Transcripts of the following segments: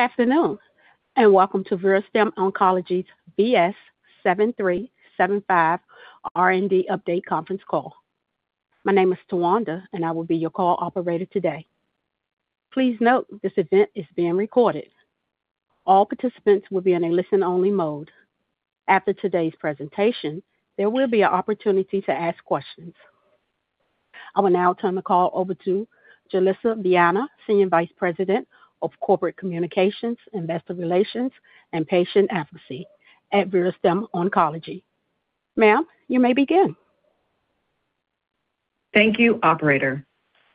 Afternoon. Welcome to Verastem Oncology's VS-7375 R&D update conference call. My name is Tawanda, and I will be your call operator today. Please note this event is being recorded. All participants will be in a listen-only mode. After today's presentation, there will be an opportunity to ask questions. I will now turn the call over to Julissa Viana, Senior Vice President of Corporate Communications, Investor Relations, and Patient Advocacy at Verastem Oncology. Ma'am, you may begin. Thank you, operator.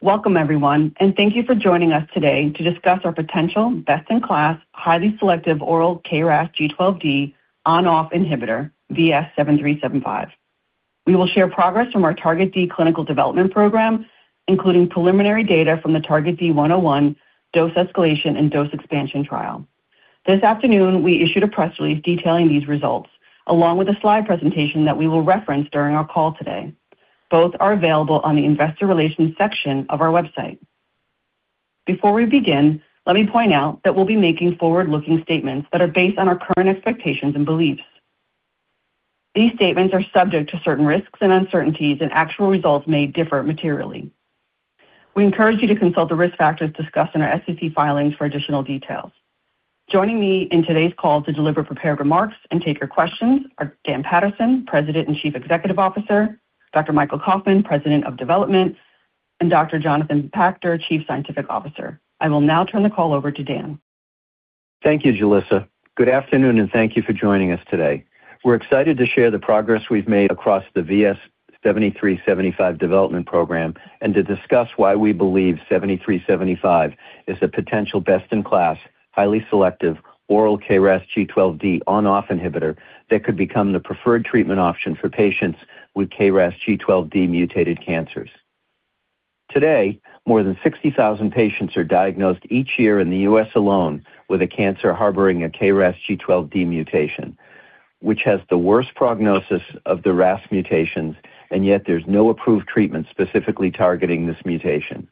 Welcome everyone. Thank you for joining us today to discuss our potential best-in-class, highly selective oral KRAS G12D on-off inhibitor, VS-7375. We will share progress from our TARGET-D clinical development program, including preliminary data from the TARGET-D 101 dose escalation and dose expansion trial. This afternoon, we issued a press release detailing these results, along with a slide presentation that we will reference during our call today. Both are available on the investor relations section of our website. Before we begin, let me point out that we'll be making forward-looking statements that are based on our current expectations and beliefs. These statements are subject to certain risks and uncertainties, and actual results may differ materially. We encourage you to consult the risk factors discussed in our SEC filings for additional details. Joining me in today's call to deliver prepared remarks and take your questions are Dan Paterson, President and Chief Executive Officer, Dr. Michael Kauffman, President of Development, and Dr. Jonathan Pachter, Chief Scientific Officer. I will now turn the call over to Dan. Thank you, Julissa. Good afternoon. Thank you for joining us today. We're excited to share the progress we've made across the VS-7375 development program and to discuss why we believe 7375 is a potential best-in-class, highly selective oral KRAS G12D on-off inhibitor that could become the preferred treatment option for patients with KRAS G12D-mutated cancers. Today, more than 60,000 patients are diagnosed each year in the U.S. alone with a cancer harboring a KRAS G12D mutation, which has the worst prognosis of the RAS mutations, yet there's no approved treatment specifically targeting this mutation.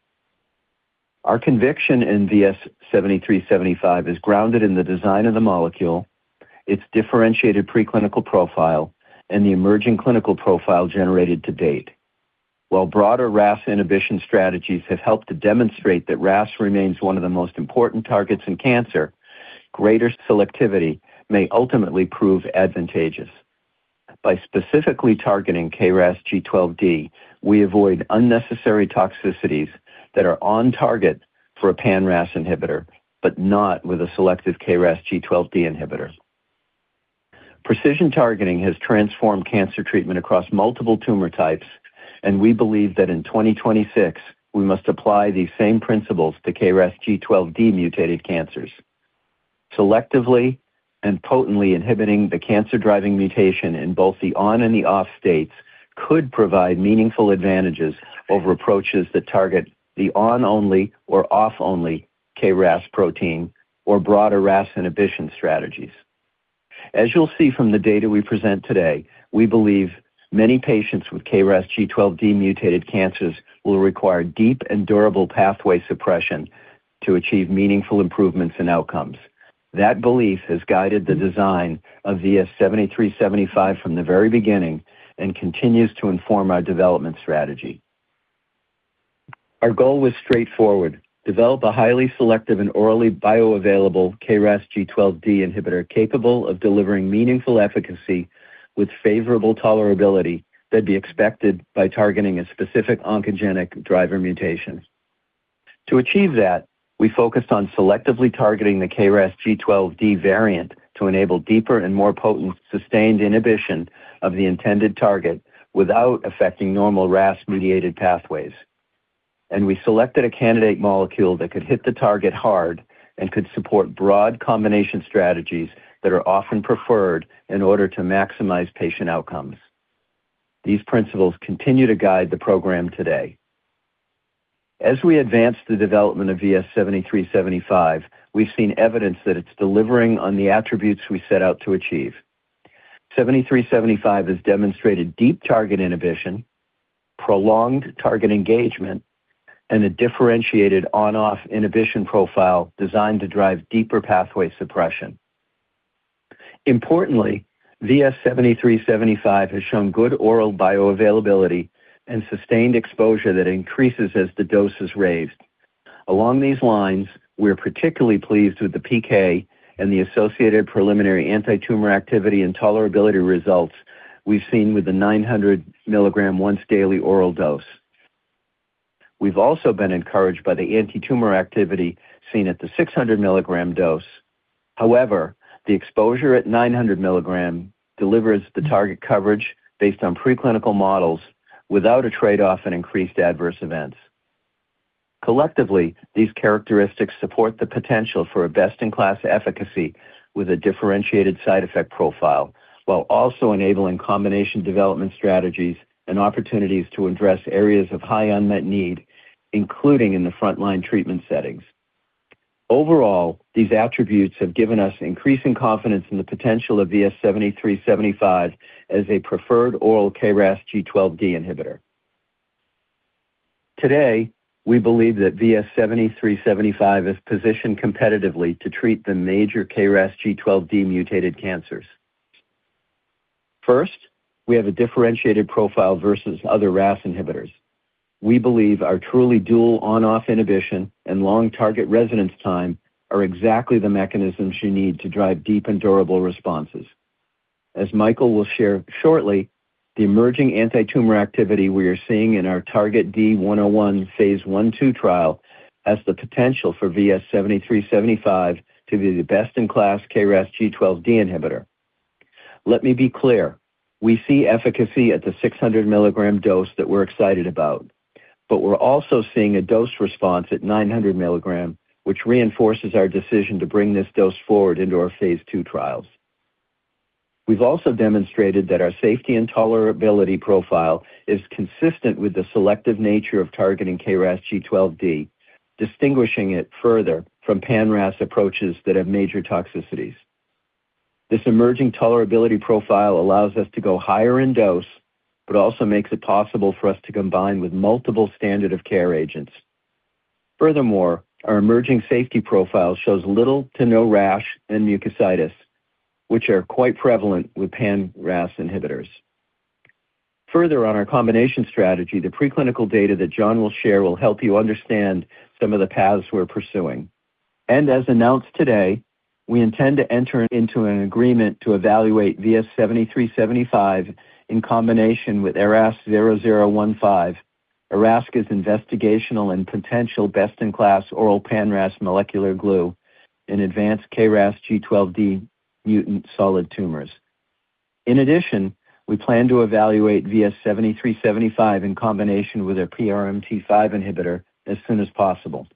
Our conviction in VS-7375 is grounded in the design of the molecule, its differentiated preclinical profile, and the emerging clinical profile generated to date. While broader RAS inhibition strategies have helped to demonstrate that RAS remains one of the most important targets in cancer, greater selectivity may ultimately prove advantageous. By specifically targeting KRAS G12D, we avoid unnecessary toxicities that are on target for a pan-RAS inhibitor, but not with a selective KRAS G12D inhibitor. Precision targeting has transformed cancer treatment across multiple tumor types, and we believe that in 2026, we must apply these same principles to KRAS G12D-mutated cancers. Selectively and potently inhibiting the cancer-driving mutation in both the on and the off states could provide meaningful advantages over approaches that target the on-only or off-only KRAS protein or broader RAS inhibition strategies. As you'll see from the data we present today, we believe many patients with KRAS G12D-mutated cancers will require deep and durable pathway suppression to achieve meaningful improvements in outcomes. That belief has guided the design of VS-7375 from the very beginning and continues to inform our development strategy. Our goal was straightforward: develop a highly selective and orally bioavailable KRAS G12D inhibitor capable of delivering meaningful efficacy with favorable tolerability that'd be expected by targeting a specific oncogenic driver mutation. To achieve that, we focused on selectively targeting the KRAS G12D variant to enable deeper and more potent sustained inhibition of the intended target without affecting normal RAS-mediated pathways. We selected a candidate molecule that could hit the target hard and could support broad combination strategies that are often preferred in order to maximize patient outcomes. These principles continue to guide the program today. As we advance the development of VS-7375, we've seen evidence that it's delivering on the attributes we set out to achieve. 7375 has demonstrated deep target inhibition, prolonged target engagement, and a differentiated on/off inhibition profile designed to drive deeper pathway suppression. Importantly, VS-7375 has shown good oral bioavailability and sustained exposure that increases as the dose is raised. Along these lines, we are particularly pleased with the PK and the associated preliminary anti-tumor activity and tolerability results we've seen with the 900 mg once-daily oral dose. We've also been encouraged by the anti-tumor activity seen at the 600 mg dose. However, the exposure at 900 mg delivers the target coverage based on preclinical models without a trade-off in increased adverse events. Collectively, these characteristics support the potential for a best-in-class efficacy with a differentiated side effect profile, while also enabling combination development strategies and opportunities to address areas of high unmet need, including in the frontline treatment settings. Overall, these attributes have given us increasing confidence in the potential of VS-7375 as a preferred oral KRAS G12D inhibitor. Today, we believe that VS-7375 is positioned competitively to treat the major KRAS G12D mutated cancers. First, we have a differentiated profile versus other RAS inhibitors. We believe our truly dual on/off inhibition and long target residence time are exactly the mechanisms you need to drive deep and durable responses. As Michael will share shortly, the emerging antitumor activity we are seeing in our TARGET-D 101 phase I/II trial has the potential for VS-7375 to be the best-in-class KRAS G12D inhibitor. Let me be clear, we see efficacy at the 600 mg dose that we're excited about, but we're also seeing a dose response at 900 mg, which reinforces our decision to bring this dose forward into our phase II trials. We've also demonstrated that our safety and tolerability profile is consistent with the selective nature of targeting KRAS G12D, distinguishing it further from pan-RAS approaches that have major toxicities. This emerging tolerability profile allows us to go higher in dose, also makes it possible for us to combine with multiple standard of care agents. Furthermore, our emerging safety profile shows little to no rash and mucositis, which are quite prevalent with pan-RAS inhibitors. Further on our combination strategy, the preclinical data that John will share will help you understand some of the paths we are pursuing. As announced today, we intend to enter into an agreement to evaluate VS-7375 in combination with ERAS-0015, Erasca's investigational and potential best-in-class oral pan-RAS molecular glue in advanced KRAS G12D mutant solid tumors. In addition, we plan to evaluate VS-7375 in combination with a PRMT5 inhibitor as soon as possible.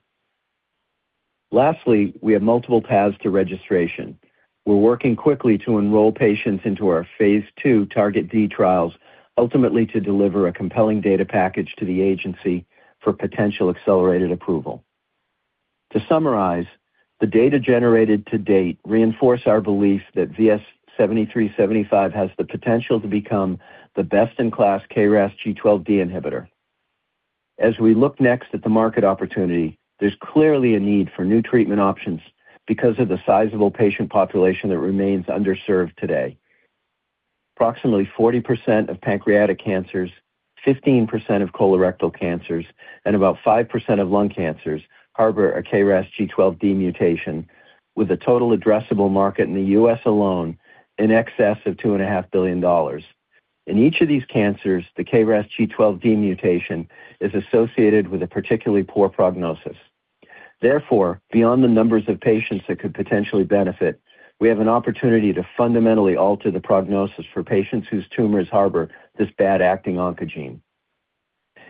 Lastly, we have multiple paths to registration. We are working quickly to enroll patients into our phase II TARGET-D trials, ultimately to deliver a compelling data package to the agency for potential accelerated approval. To summarize, the data generated to date reinforce our belief that VS-7375 has the potential to become the best-in-class KRAS G12D inhibitor. As we look next at the market opportunity, there is clearly a need for new treatment options because of the sizable patient population that remains underserved today. Approximately 40% of pancreatic cancers, 15% of colorectal cancers, and about 5% of lung cancers harbor a KRAS G12D mutation with a total addressable market in the U.S. alone in excess of $2.5 billion. In each of these cancers, the KRAS G12D mutation is associated with a particularly poor prognosis. Therefore, beyond the numbers of patients that could potentially benefit, we have an opportunity to fundamentally alter the prognosis for patients whose tumors harbor this bad acting oncogene.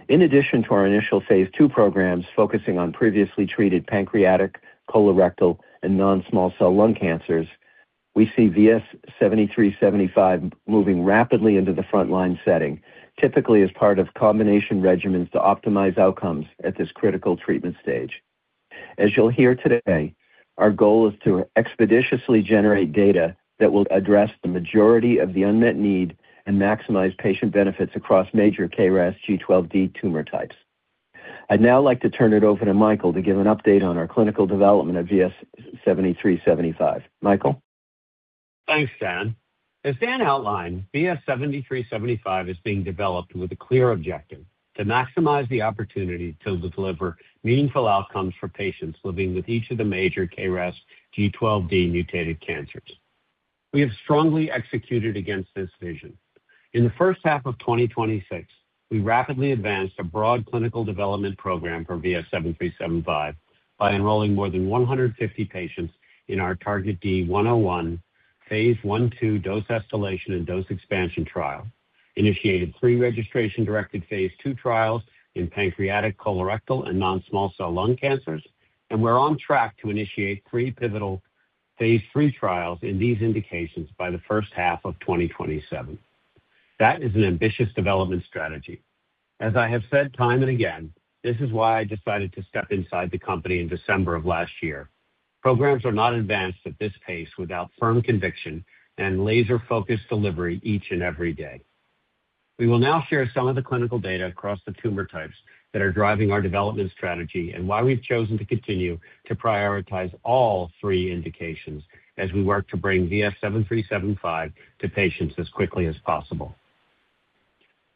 In addition to our initial phase II programs focusing on previously treated pancreatic, colorectal, and non-small cell lung cancers, we see VS-7375 moving rapidly into the frontline setting, typically as part of combination regimens to optimize outcomes at this critical treatment stage. As you will hear today, our goal is to expeditiously generate data that will address the majority of the unmet need and maximize patient benefits across major KRAS G12D tumor types. I would now like to turn it over to Michael to give an update on our clinical development of VS-7375. Michael? Thanks, Dan. As Dan outlined, VS-7375 is being developed with a clear objective: to maximize the opportunity to deliver meaningful outcomes for patients living with each of the major KRAS G12D mutated cancers. We have strongly executed against this vision. In the first half of 2026, we rapidly advanced a broad clinical development program for VS-7375 by enrolling more than 150 patients in our TARGET-D 101 phase I/II dose escalation and dose expansion trial, initiated pre-registration directed phase II trials in pancreatic, colorectal, and non-small cell lung cancers, and we are on track to initiate 3 pivotal phase III trials in these indications by the first half of 2027. That is an ambitious development strategy. As I have said time and again, this is why I decided to step inside the company in December of last year. Programs are not advanced at this pace without firm conviction and laser-focused delivery each and every day. We will now share some of the clinical data across the tumor types that are driving our development strategy, and why we've chosen to continue to prioritize all three indications as we work to bring VS-7375 to patients as quickly as possible.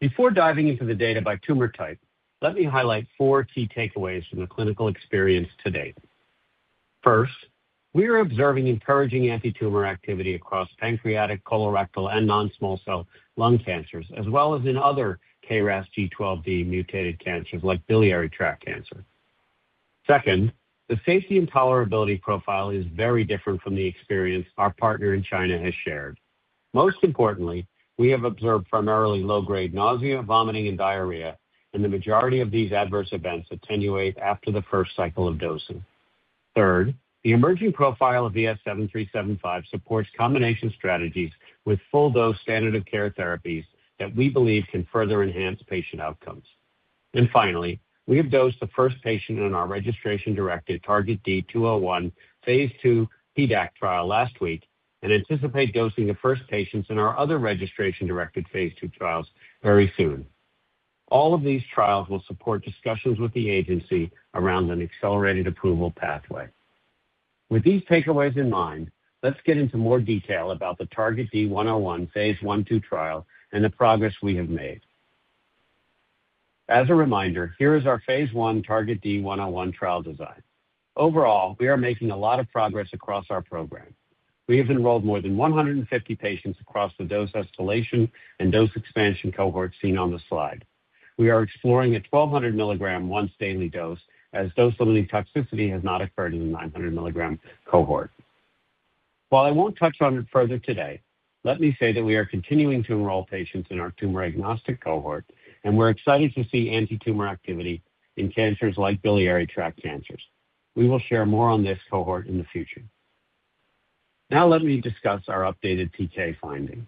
Before diving into the data by tumor type, let me highlight four key takeaways from the clinical experience to date. First, we are observing encouraging antitumor activity across pancreatic, colorectal, and non-small cell lung cancers, as well as in other KRAS G12D mutated cancers like biliary tract cancer. Second, the safety and tolerability profile is very different from the experience our partner in China has shared. Most importantly, we have observed primarily low-grade nausea, vomiting, and diarrhea, and the majority of these adverse events attenuate after the first cycle of dosing. Third, the emerging profile of VS-7375 supports combination strategies with full dose standard of care therapies that we believe can further enhance patient outcomes. Finally, we have dosed the first patient in our registration-directed TARGET-D 201 phase II PDAC trial last week. We anticipate dosing the first patients in our other registration-directed phase II trials very soon. All of these trials will support discussions with the agency around an accelerated approval pathway. With these takeaways in mind, let's get into more detail about the TARGET-D 101 phase I/II trial and the progress we have made. As a reminder, here is our phase I TARGET-D 101 trial design. Overall, we are making a lot of progress across our program. We have enrolled more than 150 patients across the dose escalation and dose expansion cohorts seen on the slide. We are exploring a 1,200 mg once daily dose, as dose-limiting toxicity has not occurred in the 900 mg cohort. While I won't touch on it further today, let me say that we are continuing to enroll patients in our tumor-agnostic cohort, and we're excited to see anti-tumor activity in cancers like biliary tract cancers. We will share more on this cohort in the future. Now let me discuss our updated PK findings.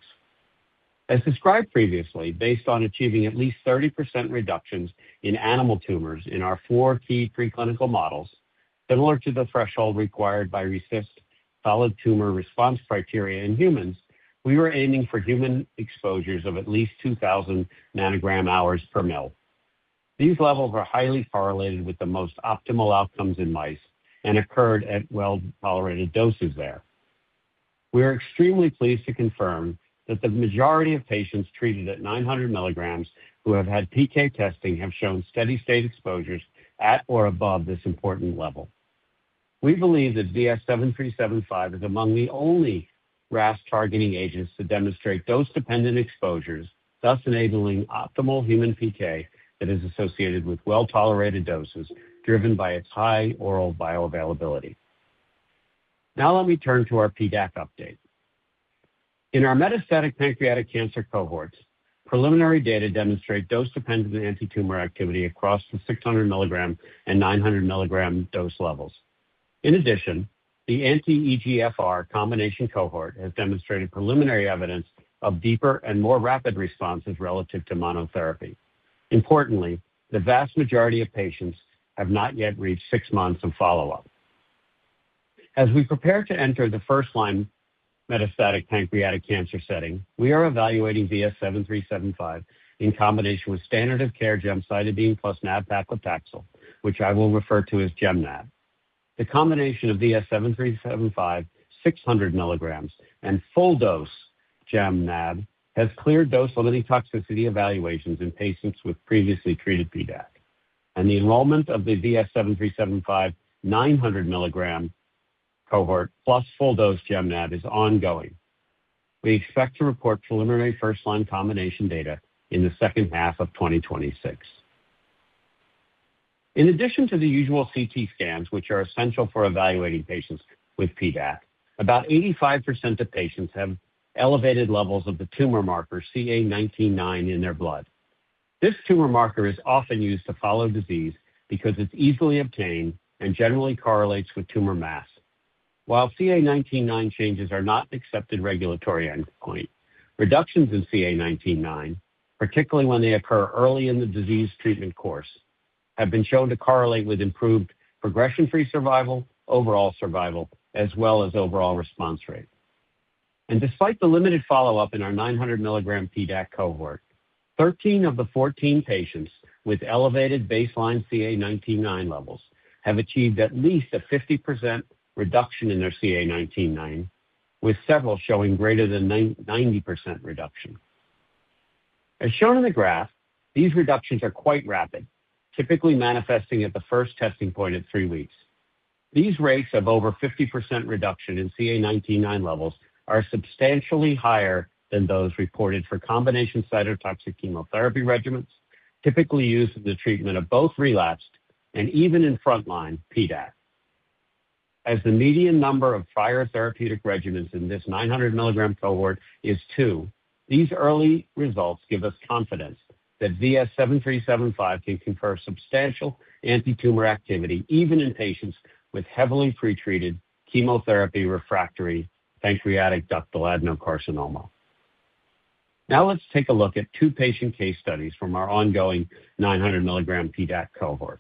As described previously, based on achieving at least 30% reductions in animal tumors in our four key preclinical models, similar to the threshold required by RECIST solid tumor response criteria in humans, we were aiming for human exposures of at least 2,000 nanogram hours per mil. These levels are highly correlated with the most optimal outcomes in mice and occurred at well-tolerated doses there. We are extremely pleased to confirm that the majority of patients treated at 900 mg who have had PK testing have shown steady-state exposures at or above this important level. We believe that VS-7375 is among the only RAS-targeting agents to demonstrate dose-dependent exposures, thus enabling optimal human PK that is associated with well-tolerated doses driven by its high oral bioavailability. Now let me turn to our PDAC update. In our metastatic pancreatic cancer cohorts, preliminary data demonstrate dose-dependent anti-tumor activity across the 600 mg and 900 mg dose levels. In addition, the anti-EGFR combination cohort has demonstrated preliminary evidence of deeper and more rapid responses relative to monotherapy. Importantly, the vast majority of patients have not yet reached six months of follow-up. As we prepare to enter the first-line metastatic pancreatic cancer setting, we are evaluating VS-7375 in combination with standard of care gemcitabine plus nab-paclitaxel, which I will refer to as Gem-Nab. The combination of VS-7375, 600 mg, and full dose Gem-Nab has cleared dose-limiting toxicity evaluations in patients with previously treated PDAC, and the enrollment of the VS-7375 900 mg cohort plus full dose Gem-Nab is ongoing. We expect to report preliminary first-line combination data in the second half of 2026. In addition to the usual CT scans, which are essential for evaluating patients with PDAC, about 85% of patients have elevated levels of the tumor marker CA 19-9 in their blood. This tumor marker is often used to follow disease because it's easily obtained and generally correlates with tumor mass. While CA 19-9 changes are not an accepted regulatory endpoint, reductions in CA 19-9, particularly when they occur early in the disease treatment course, have been shown to correlate with improved progression-free survival, overall survival, as well as overall response rate. Despite the limited follow-up in our 900 mg PDAC cohort, 13 of the 14 patients with elevated baseline CA 19-9 levels have achieved at least a 50% reduction in their CA 19-9, with several showing greater than 90% reduction. As shown in the graph, these reductions are quite rapid, typically manifesting at the first testing point at three weeks. These rates of over 50% reduction in CA 19-9 levels are substantially higher than those reported for combination cytotoxic chemotherapy regimens typically used in the treatment of both relapsed and even in frontline PDAC. As the median number of prior therapeutic regimens in this 900 mg cohort is two, these early results give us confidence that VS-7375 can confer substantial anti-tumor activity even in patients with heavily pretreated chemotherapy-refractory pancreatic ductal adenocarcinoma. Now let's take a look at two patient case studies from our ongoing 900 mg PDAC cohort.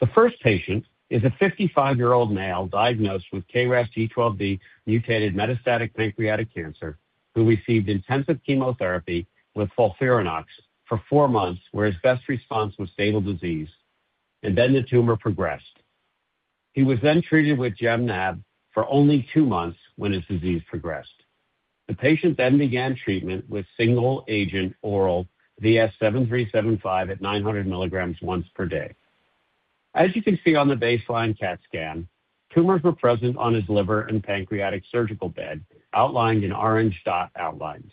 The first patient is a 55-year-old male diagnosed with KRAS G12D mutated metastatic pancreatic cancer who received intensive chemotherapy with FOLFIRINOX for four months, where his best response was stable disease, and the tumor progressed. He was then treated with Gem-Nab for only two months when his disease progressed. The patient then began treatment with single agent oral VS-7375 at 900 mg once per day. As you can see on the baseline CT scan, tumors were present on his liver and pancreatic surgical bed, outlined in orange dot outlines.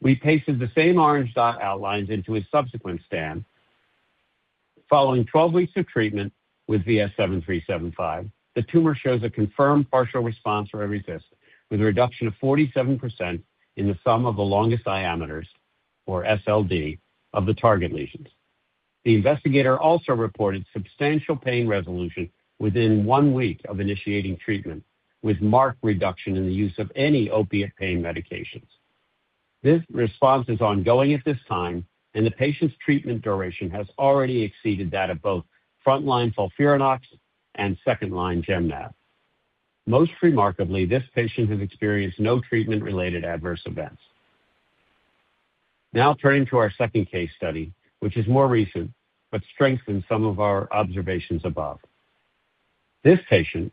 We pasted the same orange dot outlines into his subsequent scan. Following 12 weeks of treatment with VS-7375, the tumor shows a confirmed partial response or a RECIST with a reduction of 47% in the sum of the longest diameters, or SLD, of the target lesions. The investigator also reported substantial pain resolution within one week of initiating treatment with marked reduction in the use of any opiate pain medications. This response is ongoing at this time, and the patient's treatment duration has already exceeded that of both frontline FOLFIRINOX and second-line Gem-Nab. Most remarkably, this patient has experienced no treatment-related adverse events. Now turning to our second case study, which is more recent but strengthens some of our observations above. This patient,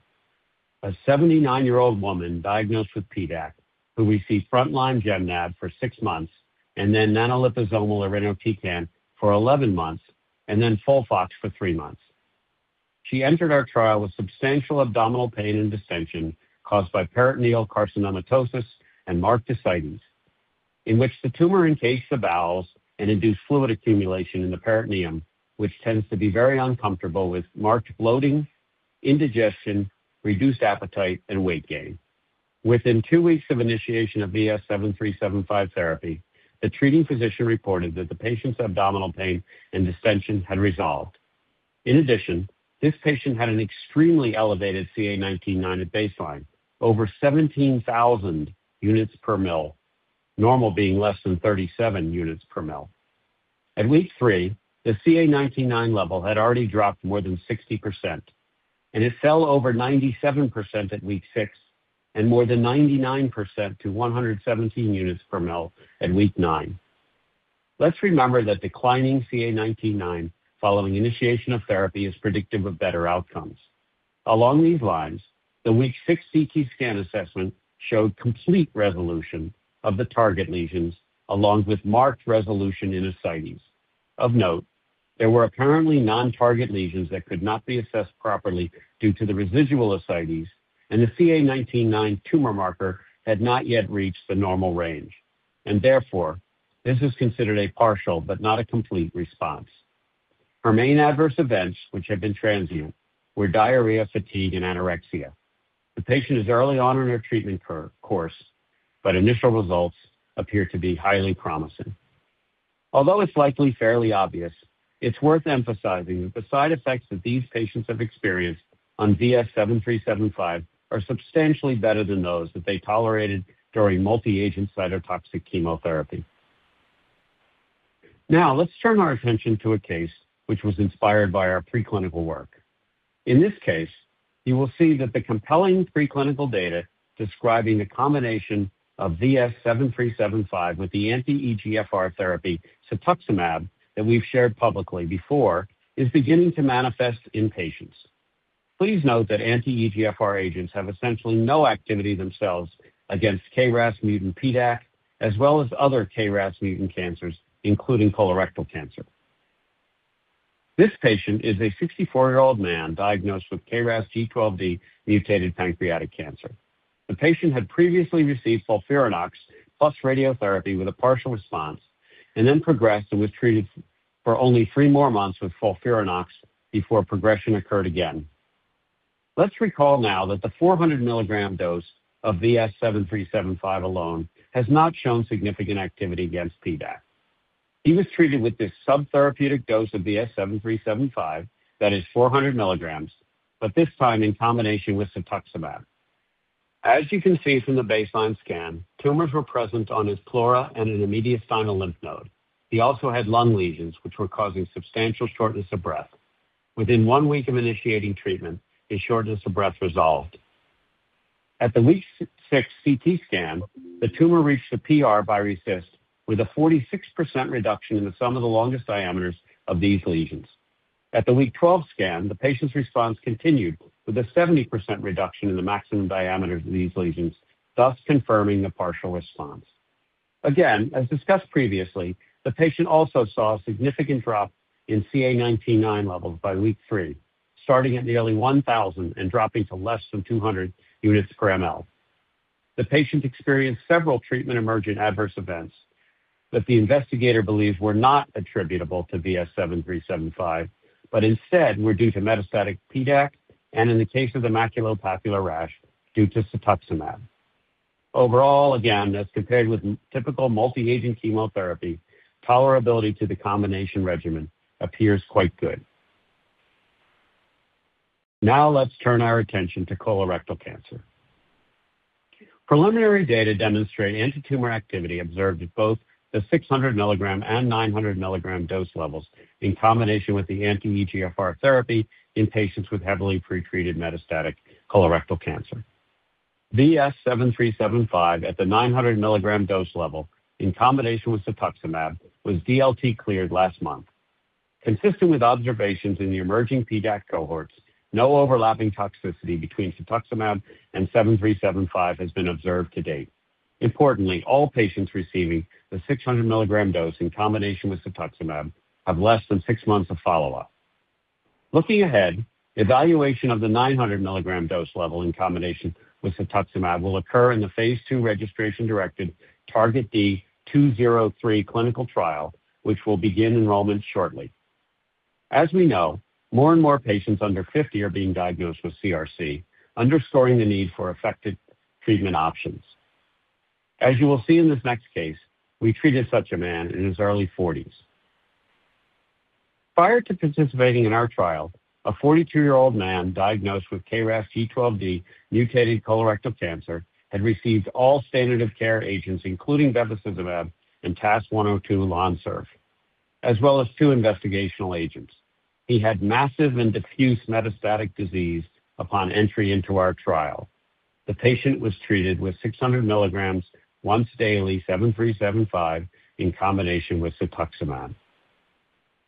a 79-year-old woman diagnosed with PDAC, who received frontline Gem-Nab for six months, nanoliposomal irinotecan for 11 months, and FOLFOX for three months. She entered our trial with substantial abdominal pain and distension caused by peritoneal carcinomatosis and marked ascites, in which the tumor encased the bowels and induced fluid accumulation in the peritoneum, which tends to be very uncomfortable with marked bloating, indigestion, reduced appetite, and weight gain. Within two weeks of initiation of VS-7375 therapy, the treating physician reported that the patient's abdominal pain and distension had resolved. In addition, this patient had an extremely elevated CA 19-9 at baseline, over 17,000 units per ml, normal being less than 37 units per ml. At week three, the CA 19-9 level had already dropped more than 60%, and it fell over 97% at week six, and more than 99% to 117 units per ml at week nine. Let's remember that declining CA 19-9 following initiation of therapy is predictive of better outcomes. Along these lines, the week six CT scan assessment showed complete resolution of the target lesions, along with marked resolution in ascites. Of note, there were apparently non-target lesions that could not be assessed properly due to the residual ascites. Therefore, this is considered a partial but not a complete response. Her main adverse events, which have been transient, were diarrhea, fatigue, and anorexia. The patient is early on in her treatment course, but initial results appear to be highly promising. Although it's likely fairly obvious, it's worth emphasizing that the side effects that these patients have experienced on VS-7375 are substantially better than those that they tolerated during multi-agent cytotoxic chemotherapy. Let's turn our attention to a case which was inspired by our preclinical work. In this case, you will see that the compelling preclinical data describing the combination of VS-7375 with the anti-EGFR therapy cetuximab that we've shared publicly before is beginning to manifest in patients. Please note that anti-EGFR agents have essentially no activity themselves against KRAS mutant PDAC, as well as other KRAS mutant cancers, including colorectal cancer. This patient is a 64-year-old man diagnosed with KRAS G12D mutated pancreatic cancer. The patient had previously received FOLFIRINOX plus radiotherapy with a partial response. Then progressed and was treated for only three more months with FOLFIRINOX before progression occurred again. Let's recall now that the 400 mg dose of VS-7375 alone has not shown significant activity against PDAC. He was treated with this subtherapeutic dose of VS-7375, that is 400 mg, but this time in combination with cetuximab. As you can see from the baseline scan, tumors were present on his pleura and an mediastinal lymph node. He also had lung lesions which were causing substantial shortness of breath. Within one week of initiating treatment, his shortness of breath resolved. At the week six CT scan, the tumor reached a PR by RECIST with a 46% reduction in the sum of the longest diameters of these lesions. At the week 12 scan, the patient's response continued with a 70% reduction in the maximum diameter of these lesions, thus confirming the partial response. Again, as discussed previously, the patient also saw a significant drop in CA 19-9 levels by week three, starting at nearly 1,000 and dropping to less than 200 units per ml. The patient experienced several treatment-emergent adverse events that the investigator believes were not attributable to VS-7375, but instead were due to metastatic PDAC, and in the case of the maculopapular rash, due to cetuximab. Overall, again, as compared with typical multi-agent chemotherapy, tolerability to the combination regimen appears quite good. Let's turn our attention to colorectal cancer. Preliminary data demonstrate antitumor activity observed at both the 600 mg and 900 mg dose levels in combination with the anti-EGFR therapy in patients with heavily pretreated metastatic colorectal cancer. VS-7375 at the 900 mg dose level in combination with cetuximab was DLT cleared last month. Consistent with observations in the emerging PDAC cohorts, no overlapping toxicity between cetuximab and 7375 has been observed to date. Importantly, all patients receiving the 600 mg dose in combination with cetuximab have less than six months of follow-up. Looking ahead, evaluation of the 900 mg dose level in combination with cetuximab will occur in the phase II registration-directed TARGET-D 203 clinical trial, which will begin enrollment shortly. As we know, more and more patients under 50 are being diagnosed with CRC, underscoring the need for effective treatment options. As you will see in this next case, we treated such a man in his early 40s. Prior to participating in our trial, a 42-year-old man diagnosed with KRAS G12D mutated colorectal cancer had received all standard of care agents, including bevacizumab and TAS-102 Lonsurf, as well as two investigational agents. He had massive and diffuse metastatic disease upon entry into our trial. The patient was treated with 600 mg once daily 7375 in combination with cetuximab.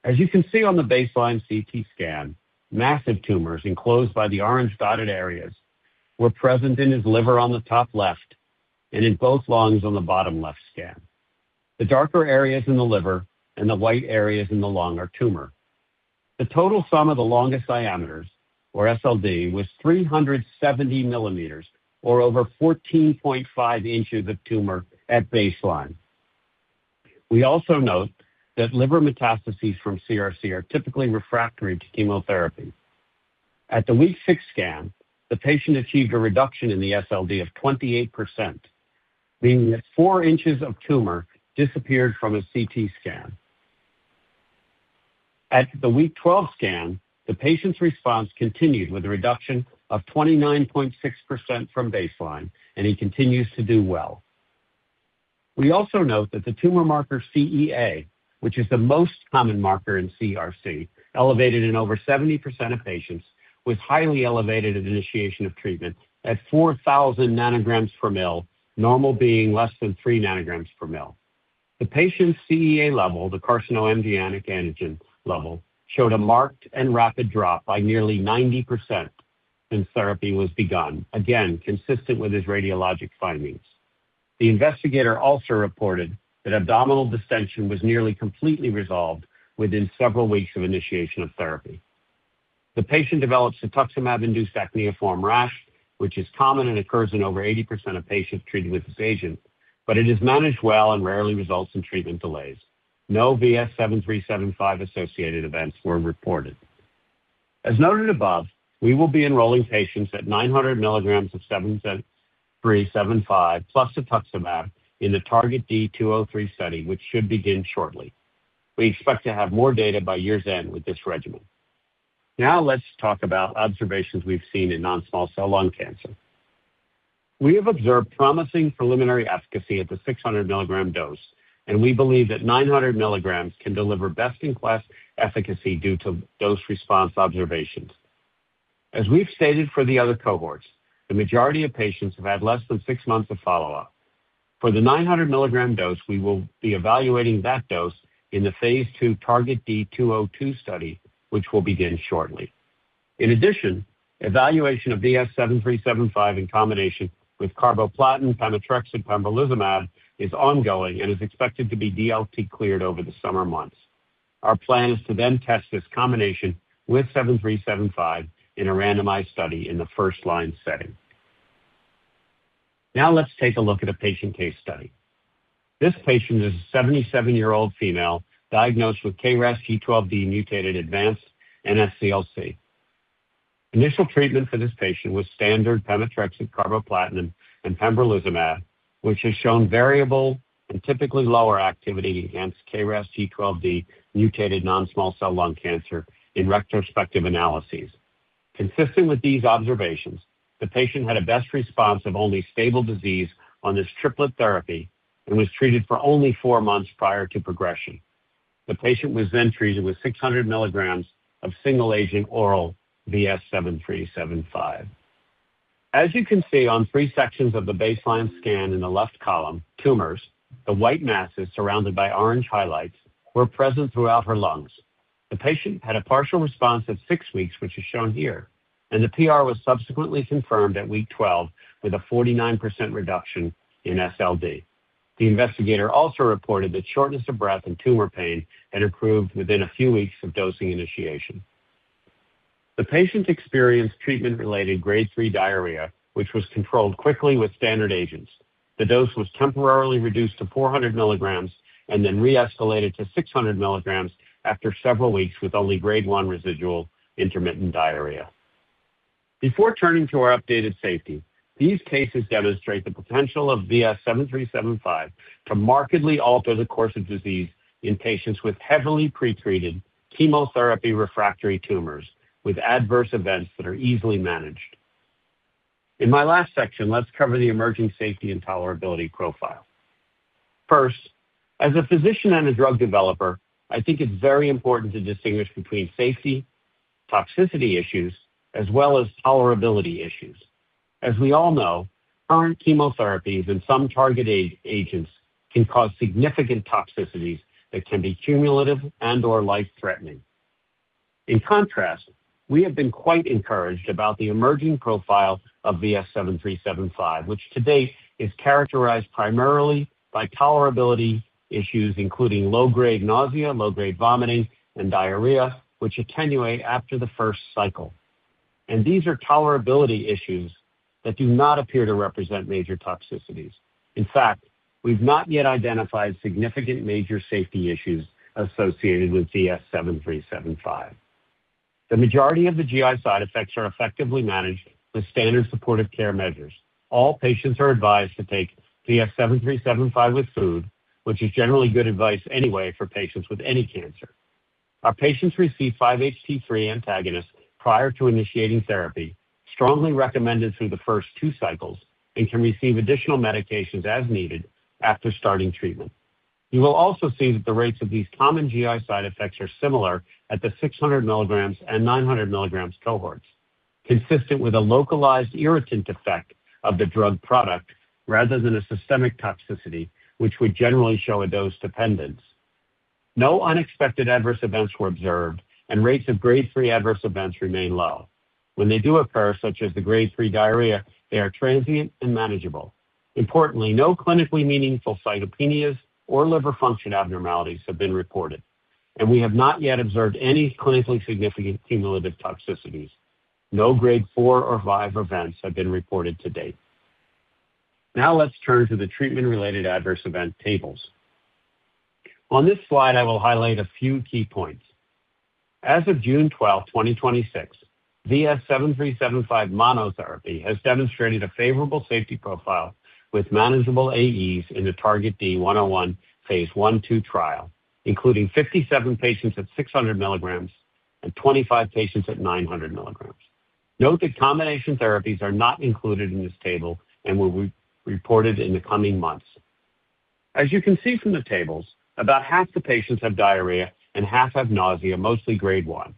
As you can see on the baseline CT scan, massive tumors enclosed by the orange dotted areas were present in his liver on the top left and in both lungs on the bottom left scan. The darker areas in the liver and the white areas in the lung are tumor. The total sum of the longest diameters, or SLD, was 370 millimeters, or over 14.5 inches of tumor at baseline. We also note that liver metastases from CRC are typically refractory to chemotherapy. At the week six scan, the patient achieved a reduction in the SLD of 28%, meaning that four inches of tumor disappeared from his CT scan. At the week 12 scan, the patient's response continued with a reduction of 29.6% from baseline, and he continues to do well. We also note that the tumor marker CEA, which is the most common marker in CRC, elevated in over 70% of patients, was highly elevated at initiation of treatment at 4,000 nanograms per ml, normal being less than three nanograms per ml. The patient's CEA level, the carcinoembryonic antigen level, showed a marked and rapid drop by nearly 90% since therapy was begun, again, consistent with his radiologic findings. The investigator also reported that abdominal distension was nearly completely resolved within several weeks of initiation of therapy. The patient developed cetuximab-induced acneiform rash, which is common and occurs in over 80% of patients treated with this agent, but it is managed well and rarely results in treatment delays. No VS-7375 associated events were reported. As noted above, we will be enrolling patients at 900 mg of 7375 plus cetuximab in the TARGET-D 203 study, which should begin shortly. We expect to have more data by year's end with this regimen. Let's talk about observations we've seen in non-small cell lung cancer. We have observed promising preliminary efficacy at the 600 mg dose, and we believe that 900 mg can deliver best-in-class efficacy due to dose response observations. As we've stated for the other cohorts, the majority of patients have had less than six months of follow-up. For the 900 mg dose, we will be evaluating that dose in the phase II TARGET-D 202 study, which will begin shortly. In addition, evaluation of VS-7375 in combination with carboplatin, pemetrexed, pembrolizumab is ongoing and is expected to be DLT cleared over the summer months. Our plan is to then test this combination with VS-7375 in a randomized study in the first line setting. Let's take a look at a patient case study. This patient is a 77-year-old female diagnosed with KRAS G12D mutated advanced NSCLC. Initial treatment for this patient was standard pemetrexed, carboplatin, and pembrolizumab, which has shown variable and typically lower activity against KRAS G12D mutated non-small cell lung cancer in retrospective analyses. Consistent with these observations, the patient had a best response of only stable disease on this triplet therapy and was treated for only four months prior to progression. The patient was then treated with 600 mg of single agent oral VS-7375. As you can see on three sections of the baseline scan in the left column, tumors, the white masses surrounded by orange highlights, were present throughout her lungs. The patient had a partial response at six weeks, which is shown here, and the PR was subsequently confirmed at week 12 with a 49% reduction in SLD. The investigator also reported that shortness of breath and tumor pain had improved within a few weeks of dosing initiation. The patient experienced treatment-related grade 3 diarrhea, which was controlled quickly with standard agents. The dose was temporarily reduced to 400 mg and then re-escalated to 600 mg after several weeks with only grade 1 residual intermittent diarrhea. Before turning to our updated safety, these cases demonstrate the potential of VS-7375 to markedly alter the course of disease in patients with heavily pretreated chemotherapy refractory tumors with adverse events that are easily managed. My last section, let's cover the emerging safety and tolerability profile. As a physician and a drug developer, I think it's very important to distinguish between safety, toxicity issues, as well as tolerability issues. As we all know, current chemotherapies and some targeted agents can cause significant toxicities that can be cumulative and/or life-threatening. Contrast, we have been quite encouraged about the emerging profile of VS-7375, which to date is characterized primarily by tolerability issues, including low-grade nausea, low-grade vomiting, and diarrhea, which attenuate after the first cycle. These are tolerability issues that do not appear to represent major toxicities. In fact, we've not yet identified significant major safety issues associated with VS-7375. The majority of the GI side effects are effectively managed with standard supportive care measures. All patients are advised to take VS-7375 with food, which is generally good advice anyway for patients with any cancer. Our patients receive 5-HT3 antagonists prior to initiating therapy, strongly recommended through the first two cycles, and can receive additional medications as needed after starting treatment. You will also see that the rates of these common GI side effects are similar at the 600 mg and 900 mg cohorts, consistent with a localized irritant effect of the drug product rather than a systemic toxicity, which would generally show a dose dependence. No unexpected adverse events were observed, and rates of Grade 3 adverse events remain low. When they do occur, such as the Grade 3 diarrhea, they are transient and manageable. Importantly, no clinically meaningful cytopenias or liver function abnormalities have been reported, and we have not yet observed any clinically significant cumulative toxicities. No Grade 4 or 5 events have been reported to date. Let's turn to the treatment-related adverse event tables. On this slide, I will highlight a few key points. As of June 12th, 2026, VS-7375 monotherapy has demonstrated a favorable safety profile with manageable AEs in the TARGET-D 101 phase I/II trial, including 57 patients at 600 mg and 25 patients at 900 mg. Note that combination therapies are not included in this table and will be reported in the coming months. As you can see from the tables, about half the patients have diarrhea and half have nausea, mostly Grade 1.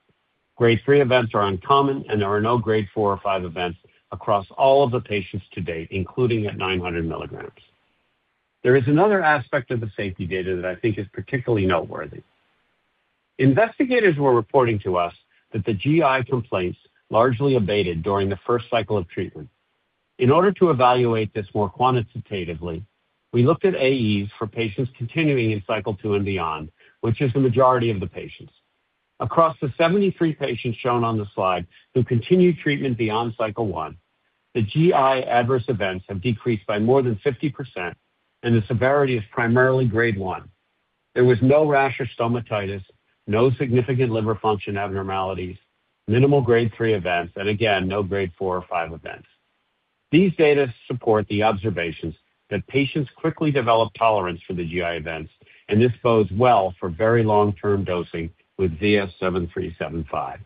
Grade 3 events are uncommon, and there are no Grade 4 or 5 events across all of the patients to date, including at 900 mg. There is another aspect of the safety data that I think is particularly noteworthy. Investigators were reporting to us that the GI complaints largely abated during the first cycle of treatment. In order to evaluate this more quantitatively, we looked at AEs for patients continuing in cycle two and beyond, which is the majority of the patients. Across the 73 patients shown on the slide who continued treatment beyond cycle one, the GI adverse events have decreased by more than 50%, and the severity is primarily Grade 1. There was no rash or stomatitis, no significant liver function abnormalities, minimal Grade 3 events, and again, no Grade 4 or 5 events. These data support the observations that patients quickly develop tolerance for the GI events, and this bodes well for very long-term dosing with VS-7375.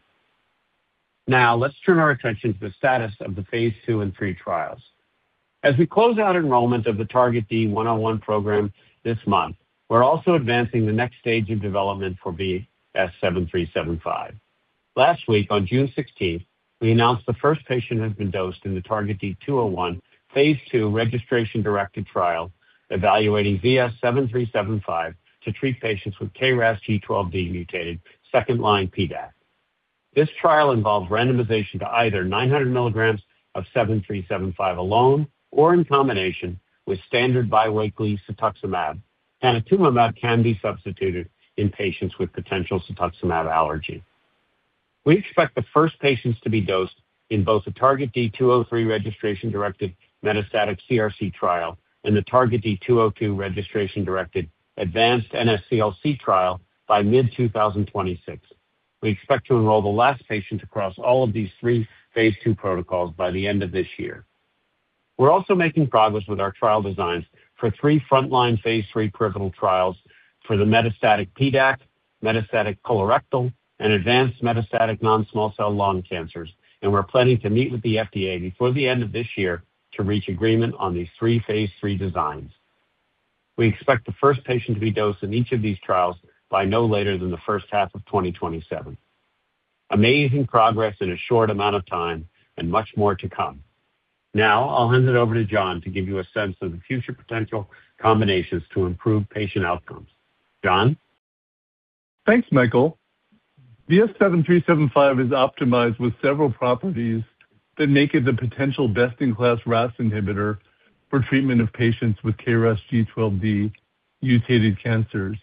Let's turn our attention to the status of the phase II and III trials. As we close out enrollment of the TARGET-D 101 program this month, we are also advancing the next stage of development for VS-7375. Last week, on June 16th, we announced the first patient has been dosed in the TARGET-D 201 phase II registration-directed trial evaluating VS-7375 to treat patients with KRAS G12D-mutated second-line PDAC. This trial involves randomization to either 900 mg of 7375 alone or in combination with standard biweekly cetuximab. Panitumumab can be substituted in patients with potential cetuximab allergy. We expect the first patients to be dosed in both the TARGET-D 203 registration-directed metastatic CRC trial and the TARGET-D 202 registration-directed advanced NSCLC trial by mid 2026. We expect to enroll the last patient across all of these three phase II protocols by the end of this year. We're also making progress with our trial designs for three frontline phase III pivotal trials for the metastatic PDAC, metastatic colorectal, and advanced metastatic non-small cell lung cancers, and we're planning to meet with the FDA before the end of this year to reach agreement on these three phase III designs. We expect the first patient to be dosed in each of these trials by no later than the first half of 2027. Amazing progress in a short amount of time and much more to come. I'll hand it over to John to give you a sense of the future potential combinations to improve patient outcomes. Jon? Thanks, Michael. VS-7375 is optimized with several properties that make it the potential best-in-class RAS inhibitor for treatment of patients with KRAS G12D-mutated cancers.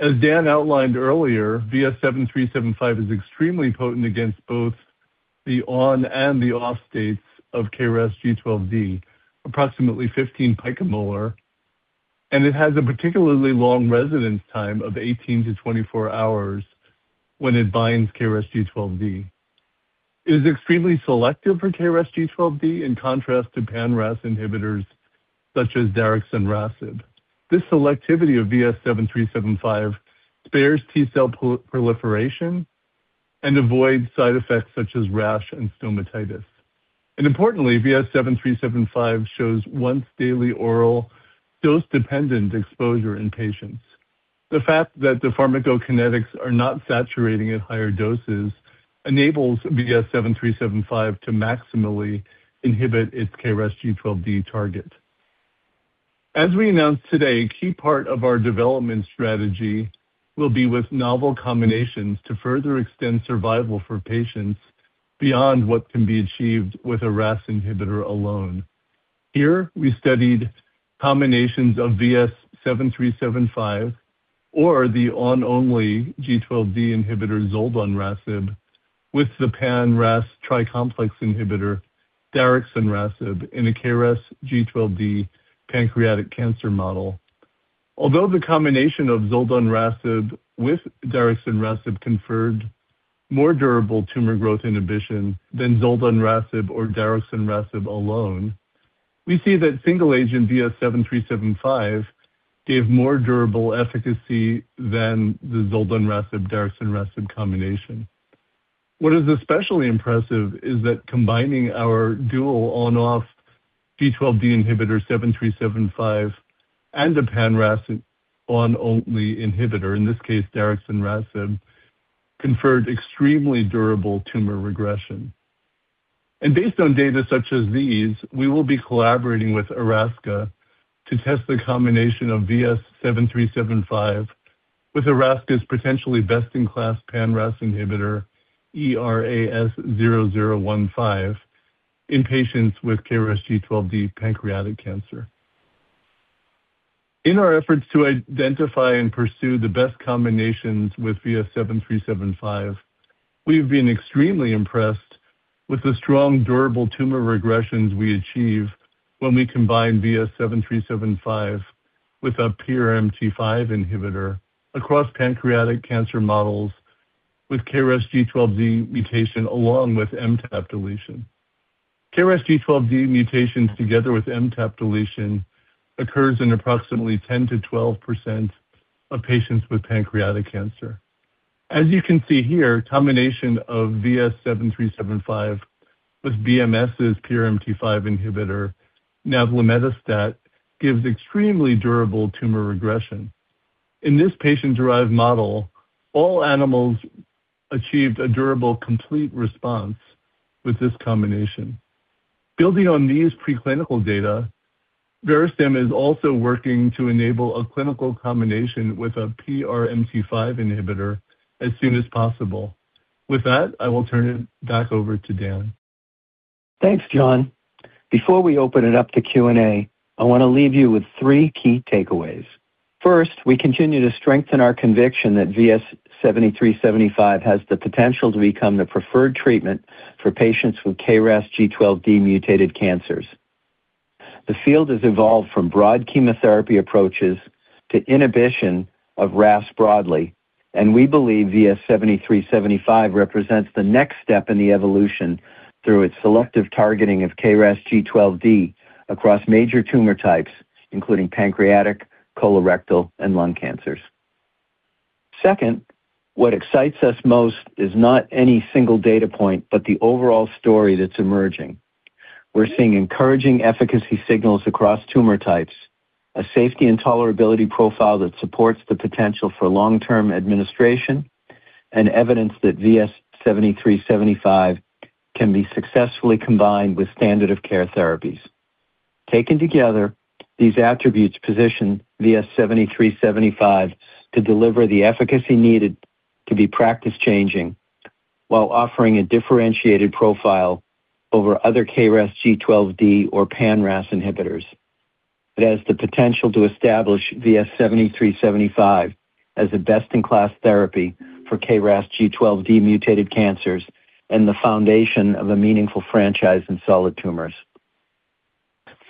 As Dan outlined earlier, VS-7375 is extremely potent against both the on and the off states of KRAS G12D, approximately 15 picomolar, and it has a particularly long residence time of 18-24 hours when it binds KRAS G12D. It is extremely selective for KRAS G12D, in contrast to pan-RAS inhibitors such as divarasib. This selectivity of VS-7375 spares T cell proliferation and avoids side effects such as rash and stomatitis. Importantly, VS-7375 shows once-daily oral dose-dependent exposure in patients. The fact that the pharmacokinetics are not saturating at higher doses enables VS-7375 to maximally inhibit its KRAS G12D target. As we announced today, a key part of our development strategy will be with novel combinations to further extend survival for patients beyond what can be achieved with a RAS inhibitor alone. Here, we studied combinations of VS-7375 or the on only G12D inhibitor, zoldonrasib, with the pan-RAS tricomplex inhibitor divarasib in a KRAS G12D pancreatic cancer model. Although the combination of zoldonrasib with daraxonrasib conferred more durable tumor growth inhibition than zoldonrasib or daraxonrasib alone, we see that single agent VS-7375 gave more durable efficacy than the zoldonrasib/daraxonrasib combination. What is especially impressive is that combining our dual on-off G12D inhibitor 7375 and a pan-RAS on-only inhibitor, in this case daraxonrasib, conferred extremely durable tumor regression. Based on data such as these, we will be collaborating with Erasca to test the combination of VS-7375 with Erasca's potentially best-in-class pan-RAS inhibitor, ERAS-0015, in patients with KRAS G12D pancreatic cancer. In our efforts to identify and pursue the best combinations with VS-7375, we have been extremely impressed with the strong, durable tumor regressions we achieve when we combine VS-7375 with a PRMT5 inhibitor across pancreatic cancer models with KRAS G12D mutation, along with MTAP deletion. KRAS G12D mutations together with MTAP deletion occurs in approximately 10%-12% of patients with pancreatic cancer. As you can see here, combination of VS-7375 with BMS' PRMT5 inhibitor, navlimetostat, gives extremely durable tumor regression. In this patient-derived model, all animals achieved a durable, complete response with this combination. Building on these preclinical data, Verastem is also working to enable a clinical combination with a PRMT5 inhibitor as soon as possible. With that, I will turn it back over to Dan. Thanks, John. Before we open it up to Q&A, I want to leave you with three key takeaways. First, we continue to strengthen our conviction that VS-7375 has the potential to become the preferred treatment for patients with KRAS G12D-mutated cancers. The field has evolved from broad chemotherapy approaches to inhibition of RAS broadly, and we believe VS-7375 represents the next step in the evolution through its selective targeting of KRAS G12D across major tumor types, including pancreatic, colorectal, and lung cancers. Second, what excites us most is not any single data point, but the overall story that's emerging. We're seeing encouraging efficacy signals across tumor types, a safety and tolerability profile that supports the potential for long-term administration, and evidence that VS-7375 can be successfully combined with standard of care therapies. Taken together, these attributes position VS-7375 to deliver the efficacy needed to be practice-changing while offering a differentiated profile over other KRAS G12D or pan-RAS inhibitors. It has the potential to establish VS-7375 as a best-in-class therapy for KRAS G12D-mutated cancers and the foundation of a meaningful franchise in solid tumors.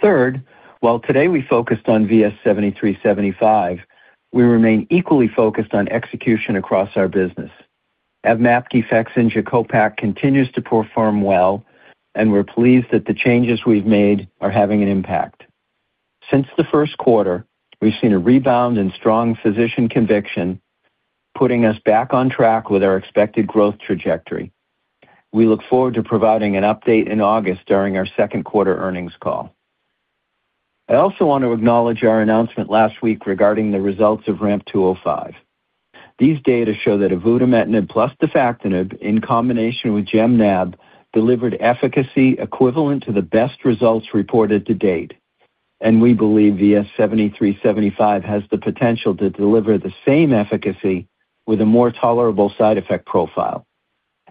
Third, while today we focused on VS-7375, we remain equally focused on execution across our business. AVMAPKI FAKZYNJA CO-PACK continues to perform well, and we're pleased that the changes we've made are having an impact. Since the first quarter, we've seen a rebound in strong physician conviction, putting us back on track with our expected growth trajectory. We look forward to providing an update in August during our second quarter earnings call. I also want to acknowledge our announcement last week regarding the results of RAMP 205. These data show that avutometinib plus defactinib, in combination with GemNab, delivered efficacy equivalent to the best results reported to date, and we believe VS-7375 has the potential to deliver the same efficacy with a more tolerable side effect profile.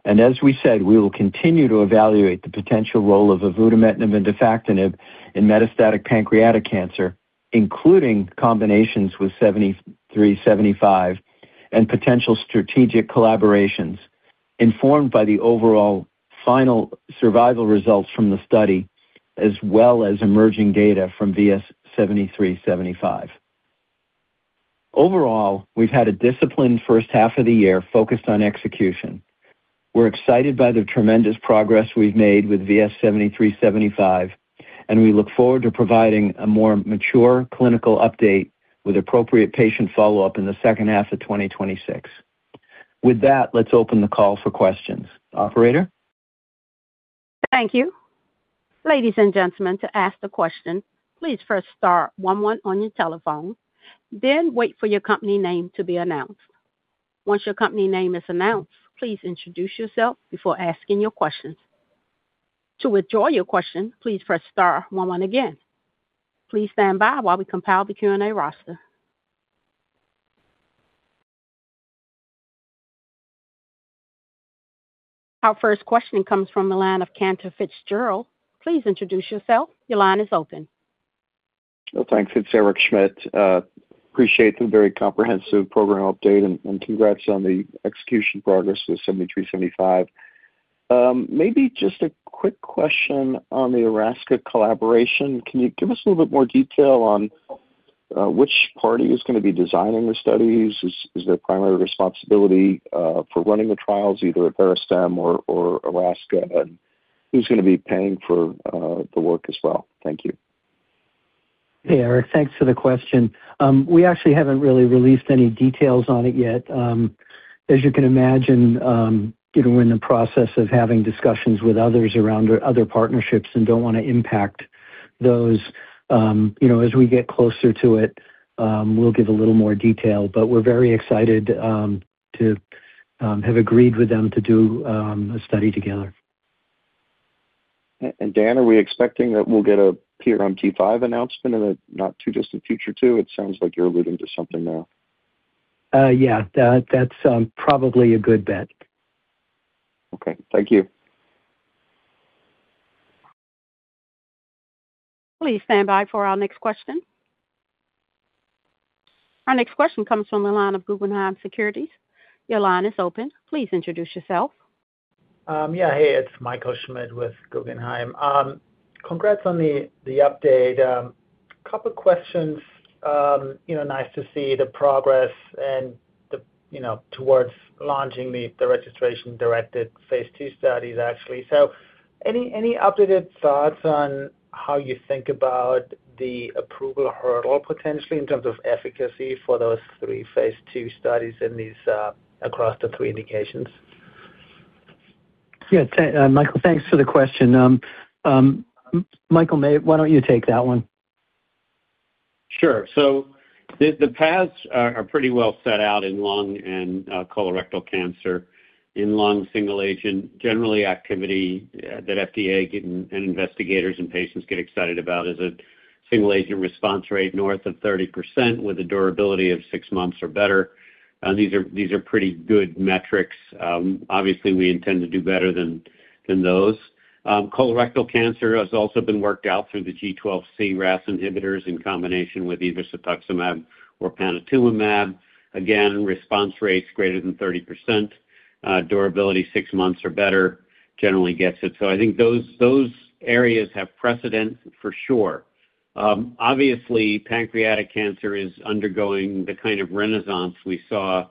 As we said, we will continue to evaluate the potential role of avutometinib and defactinib in metastatic pancreatic cancer, including combinations with 7375 and potential strategic collaborations informed by the overall final survival results from the study, as well as emerging data from VS-7375. Overall, we've had a disciplined first half of the year focused on execution. We're excited by the tremendous progress we've made with VS-7375, and we look forward to providing a more mature clinical update with appropriate patient follow-up in the second half of 2026. With that, let's open the call for questions. Operator? Thank you. Ladies and gentlemen, to ask the question, please first star one on your telephone, then wait for your company name to be announced. Once your company name is announced, please introduce yourself before asking your questions. To withdraw your question, please press star one again. Please stand by while we compile the Q&A roster. Our first question comes from the line of Cantor Fitzgerald. Please introduce yourself. Your line is open. Well, thanks. It's Eric Schmidt. Appreciate the very comprehensive program update and congrats on the execution progress with VS-7375. Maybe just a quick question on the Erasca collaboration. Can you give us a little bit more detail on which party is going to be designing the studies? Is their primary responsibility for running the trials either with Verastem or Erasca, and who's going to be paying for the work as well? Thank you. Hey, Eric. Thanks for the question. We actually haven't really released any details on it yet. As you can imagine, we're in the process of having discussions with others around our other partnerships and don't want to impact those. As we get closer to it, we'll give a little more detail, but we're very excited to have agreed with them to do a study together. Dan, are we expecting that we'll get a PRMT5 announcement in the not too distant future, too? It sounds like you're alluding to something there. Yeah, that's probably a good bet. Okay. Thank you. Please stand by for our next question. Our next question comes from the line of Guggenheim Securities. Your line is open. Please introduce yourself. Yeah. Hey, it's Michael Schmidt with Guggenheim. Congrats on the update. A couple of questions. Nice to see the progress towards launching the registration-directed phase II studies, actually. Any updated thoughts on how you think about the approval hurdle potentially in terms of efficacy for those three phase II studies across the three indications? Yeah, Michael, thanks for the question. Michael, why don't you take that one? Sure. The paths are pretty well set out in lung and colorectal cancer. In lung single agent, generally activity that FDA and investigators and patients get excited about is a single-agent response rate north of 30% with a durability of six months or better. These are pretty good metrics. Obviously, we intend to do better than those. Colorectal cancer has also been worked out through the G12C RAS inhibitors in combination with either cetuximab or panitumumab. Again, response rates greater than 30%, durability six months or better generally gets it. I think those areas have precedent for sure. Obviously, pancreatic cancer is undergoing the kind of renaissance we saw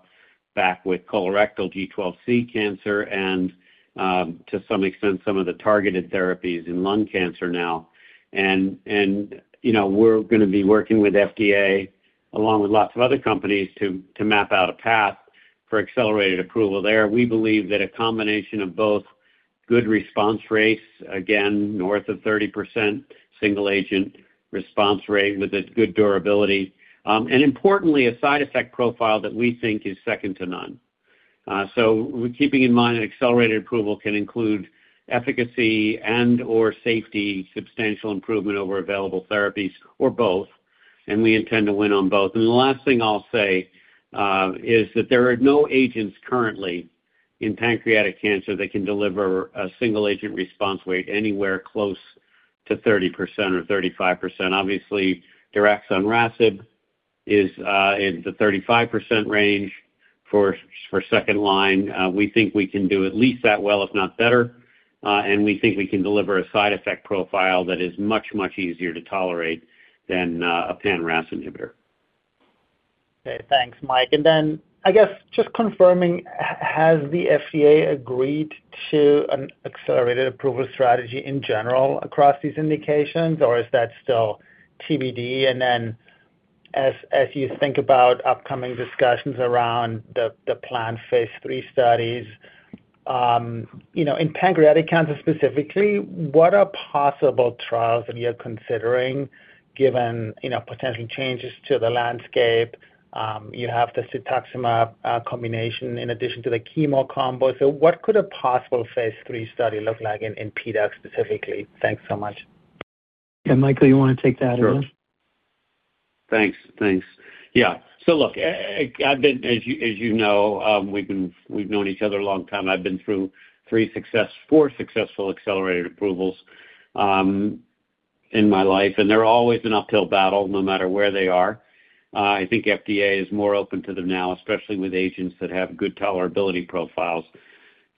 back with colorectal G12C cancer and, to some extent, some of the targeted therapies in lung cancer now. We're going to be working with FDA, along with lots of other companies, to map out a path for accelerated approval there. We believe that a combination of both good response rates, again, north of 30%, single agent response rate with a good durability, and importantly, a side effect profile that we think is second to none. Keeping in mind that accelerated approval can include efficacy and/or safety, substantial improvement over available therapies, or both, and we intend to win on both. The last thing I'll say is that there are no agents currently in pancreatic cancer that can deliver a single agent response rate anywhere close to 30% or 35%. Obviously, duraxonrasib is in the 35% range for second line. We think we can do at least that well, if not better, and we think we can deliver a side effect profile that is much easier to tolerate than a pan-RAS inhibitor. Thanks, Michael. I guess just confirming, has the FDA agreed to an accelerated approval strategy in general across these indications, or is that still TBD? As you think about upcoming discussions around the planned phase III studies, in pancreatic cancer specifically, what are possible trials that you're considering given potential changes to the landscape? You have the cetuximab combination in addition to the chemo combo. What could a possible phase III study look like in PDAC specifically? Thanks so much. Yeah, Michael, you want to take that as well? Sure. Thanks. Yeah. Look, as you know, we've known each other a long time. I've been through four successful accelerated approvals in my life, and they're always an uphill battle no matter where they are. I think FDA is more open to them now, especially with agents that have good tolerability profiles.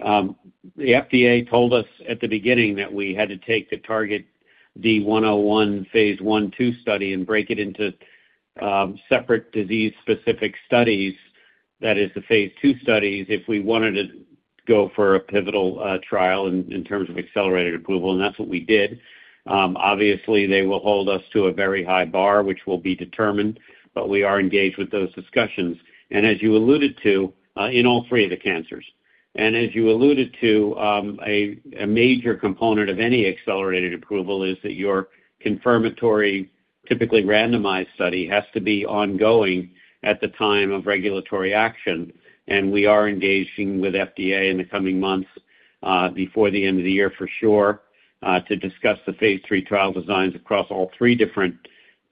The FDA told us at the beginning that we had to take the TARGET-D 101 phase I/II study and break it into separate disease specific studies, that is the phase II studies, if we wanted to go for a pivotal trial in terms of accelerated approval, and that's what we did. Obviously, they will hold us to a very high bar, which will be determined, but we are engaged with those discussions in all three of the cancers. As you alluded to, a major component of any accelerated approval is that your confirmatory, typically randomized study has to be ongoing at the time of regulatory action, and we are engaging with FDA in the coming months before the end of the year for sure to discuss the phase III trial designs across all three different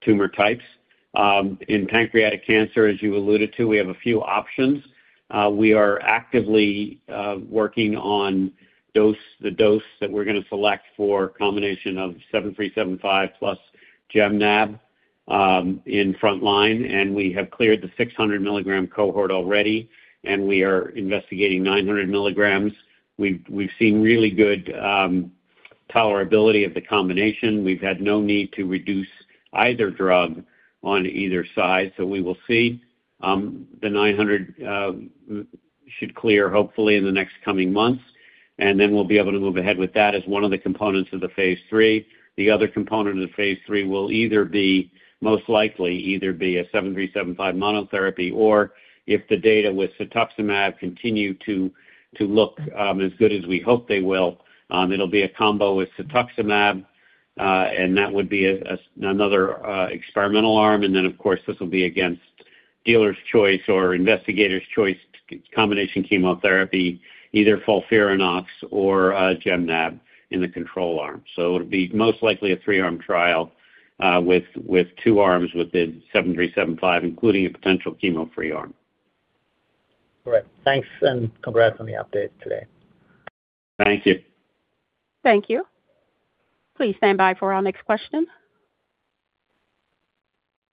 tumor types. In pancreatic cancer, as you alluded to, we have a few options. We are actively working on the dose that we're going to select for combination of 7375 plus GemNab in front line, and we have cleared the 600 mg cohort already, and we are investigating 900 mg. We've seen really good tolerability of the combination. We've had no need to reduce either drug on either side, we will see. The 900 should clear, hopefully, in the next coming months, and then we'll be able to move ahead with that as one of the components of the phase III. The other component of the phase III will either be, most likely, either be a VS-7375 monotherapy, or if the data with cetuximab continue to look as good as we hope they will, it'll be a combo with cetuximab, and that would be another experimental arm. Of course, this will be against dealer's choice or investigator's choice combination chemotherapy, either FOLFIRINOX or GemNab in the control arm. It'll be most likely a three arm trial with two arms within VS-7375, including a potential chemo-free arm. Great. Thanks. Congrats on the update today. Thank you. Thank you. Please stand by for our next question.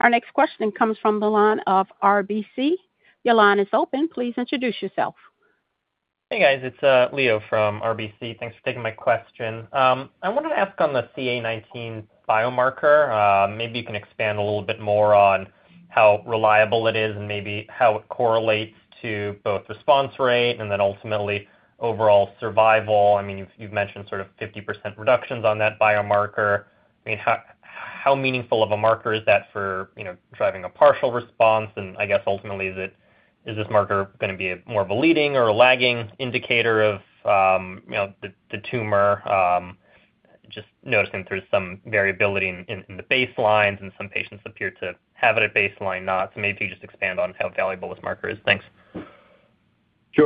Our next question comes from the line of RBC. Your line is open. Please introduce yourself. Hey, guys. It's Leo from RBC. Thanks for taking my question. I wanted to ask on the CA 19-9 biomarker, maybe you can expand a little bit more on how reliable it is and maybe how it correlates to both response rate and then ultimately overall survival. You've mentioned 50% reductions on that biomarker. How meaningful of a marker is that for driving a partial response? I guess ultimately, is this marker going to be more of a leading or a lagging indicator of the tumor? Just noticing there's some variability in the baselines, and some patients appear to have it at baseline, not. Maybe if you just expand on how valuable this marker is. Thanks. Sure.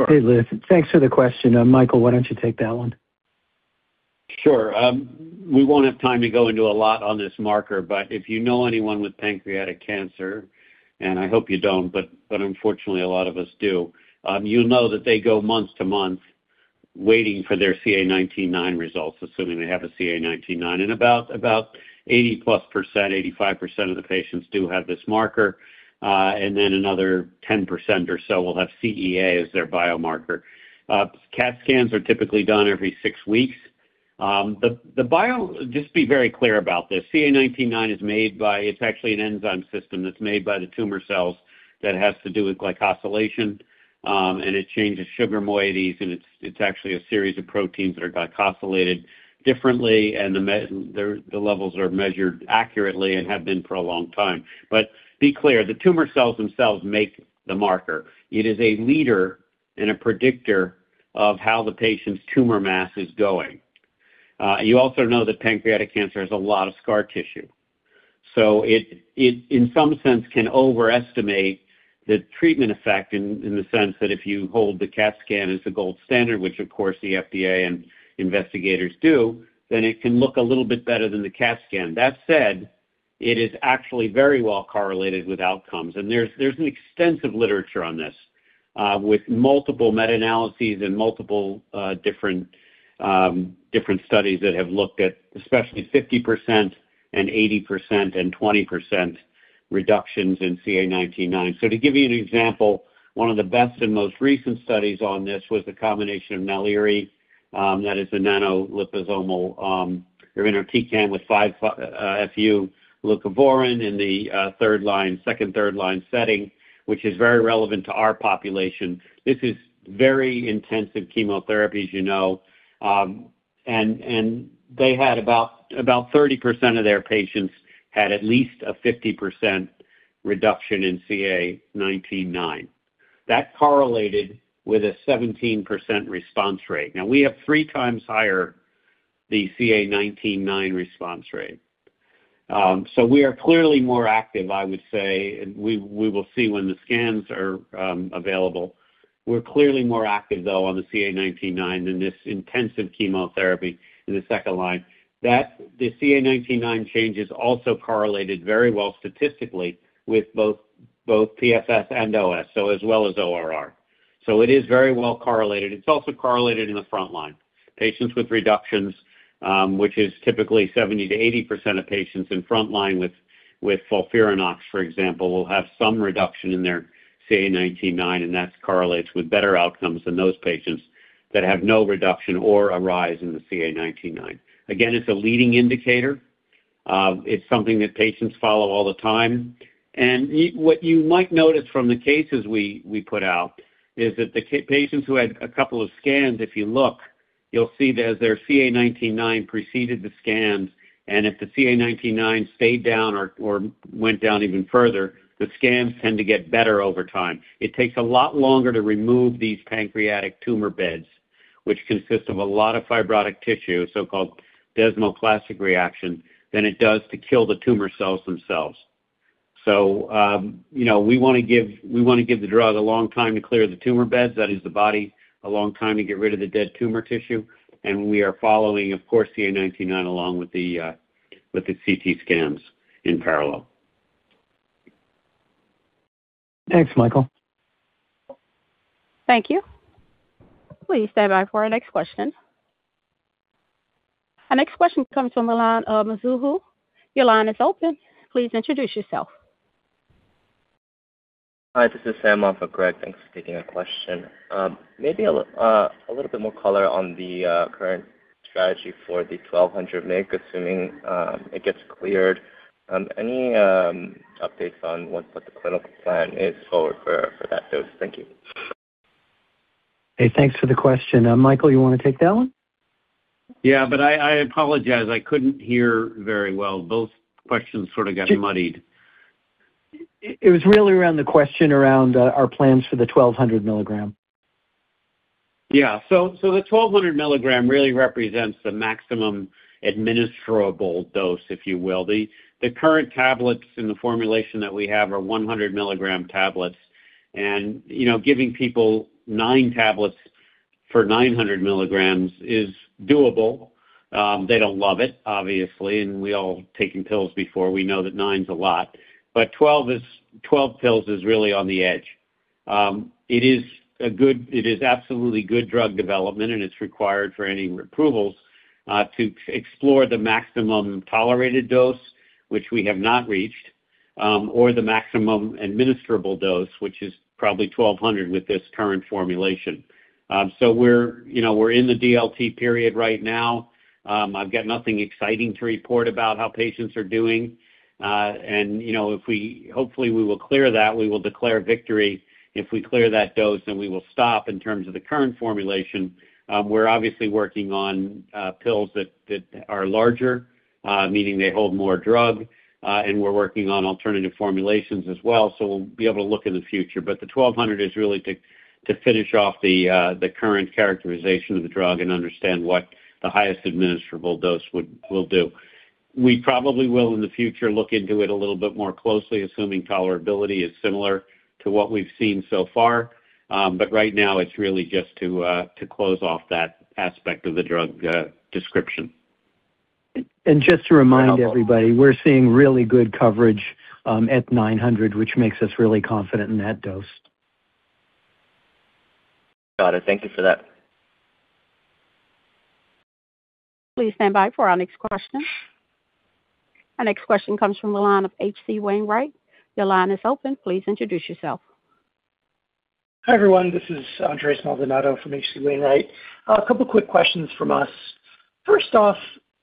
Hey, Leo. Thanks for the question. Michael, why don't you take that one? Sure. We won't have time to go into a lot on this marker, but if you know anyone with pancreatic cancer, and I hope you don't, but unfortunately, a lot of us do, you'll know that they go month to month waiting for their CA 19-9 results, assuming they have a CA 19-9. About 80%+, 85% of the patients do have this marker, and then another 10% or so will have CEA as their biomarker. CT scans are typically done every six weeks. Just to be very clear about this, CA 19-9 is actually an enzyme system that's made by the tumor cells that has to do with glycosylation, and it changes sugar moieties, and it's actually a series of proteins that are glycosylated differently, and the levels are measured accurately and have been for a long time. Be clear, the tumor cells themselves make the marker. It is a leader and a predictor of how the patient's tumor mass is going. You also know that pancreatic cancer has a lot of scar tissue. It, in some sense, can overestimate the treatment effect in the sense that if you hold the CT scan as the gold standard, which of course the FDA and investigators do, then it can look a little bit better than the CT scan. That said, it is actually very well correlated with outcomes, there's an extensive literature on this with multiple meta-analyses and multiple different studies that have looked at especially 50%, 80% and 20% reductions in CA 19-9. To give you an example, one of the best and most recent studies on this was the combination of ONIVYDE, that is a nanoliposomal irinotecan with 5-FU leucovorin in the second, third-line setting, which is very relevant to our population. This is very intensive chemotherapy, as you know, and they had about 30% of their patients had at least a 50% reduction in CA 19-9. That correlated with a 17% response rate. Now, we have three times higher the CA 19-9 response rate. We are clearly more active, I would say, we will see when the scans are available. We're clearly more active, though, on the CA 19-9 than this intensive chemotherapy in the second-line. The CA 19-9 changes also correlated very well statistically with both PFS and OS, as well as ORR. It is very well correlated. It's also correlated in the front-line. Patients with reductions, which is typically 70%-80% of patients in front-line with FOLFIRINOX, for example, will have some reduction in their CA 19-9, and that correlates with better outcomes than those patients that have no reduction or a rise in the CA 19-9. Again, it's a leading indicator. It's something that patients follow all the time. What you might notice from the cases we put out is that the patients who had a couple of scans, if you look, you'll see that their CA 19-9 preceded the scans, and if the CA 19-9 stayed down or went down even further, the scans tend to get better over time. It takes a lot longer to remove these pancreatic tumor beds, which consist of a lot of fibrotic tissue, so-called desmoplastic reaction, than it does to kill the tumor cells themselves. We want to give the drug a long time to clear the tumor beds, that is the body, a long time to get rid of the dead tumor tissue, and we are following, of course, CA 19-9 along with the CT scans in parallel. Thanks, Michael. Thank you. Please stand by for our next question. Our next question comes from the line of Mizuho. Your line is open. Please introduce yourself. Hi, this is Sam on for Graig. Thanks for taking our question. Maybe a little bit more color on the current strategy for the 1,200 mg, assuming it gets cleared. Any updates on what the clinical plan is forward for that dose? Thank you. Hey, thanks for the question. Michael, you want to take that one? Yeah, I apologize, I couldn't hear very well. Both questions sort of got muddied. It was really around the question around our plans for the 1,200 mg. Yeah. The 1,200 mg really represents the maximum administrable dose, if you will. The current tablets in the formulation that we have are 100 mg tablets, and giving people nine tablets for 900 mg is doable. They don't love it, obviously, and we all have taken pills before, we know that nine's a lot, 12 pills is really on the edge. It is absolutely good drug development, and it's required for any approvals to explore the maximum tolerated dose, which we have not reached, or the maximum administrable dose, which is probably 1,200 with this current formulation. We're in the DLT period right now. I've got nothing exciting to report about how patients are doing. Hopefully we will clear that, we will declare victory if we clear that dose, we will stop in terms of the current formulation. We're obviously working on pills that are larger, meaning they hold more drug, and we're working on alternative formulations as well, we'll be able to look in the future. The 1,200 is really to finish off the current characterization of the drug and understand what the highest administrable dose will do. We probably will, in the future, look into it a little bit more closely, assuming tolerability is similar to what we've seen so far. Right now it's really just to close off that aspect of the drug description. Just to remind everybody, we're seeing really good coverage at 900, which makes us really confident in that dose. Got it. Thank you for that. Please stand by for our next question. Our next question comes from the line of H.C. Wainwright. Your line is open. Please introduce yourself. Hi, everyone, this is Andres Maldonado from H.C. Wainwright. A couple quick questions from us. First off,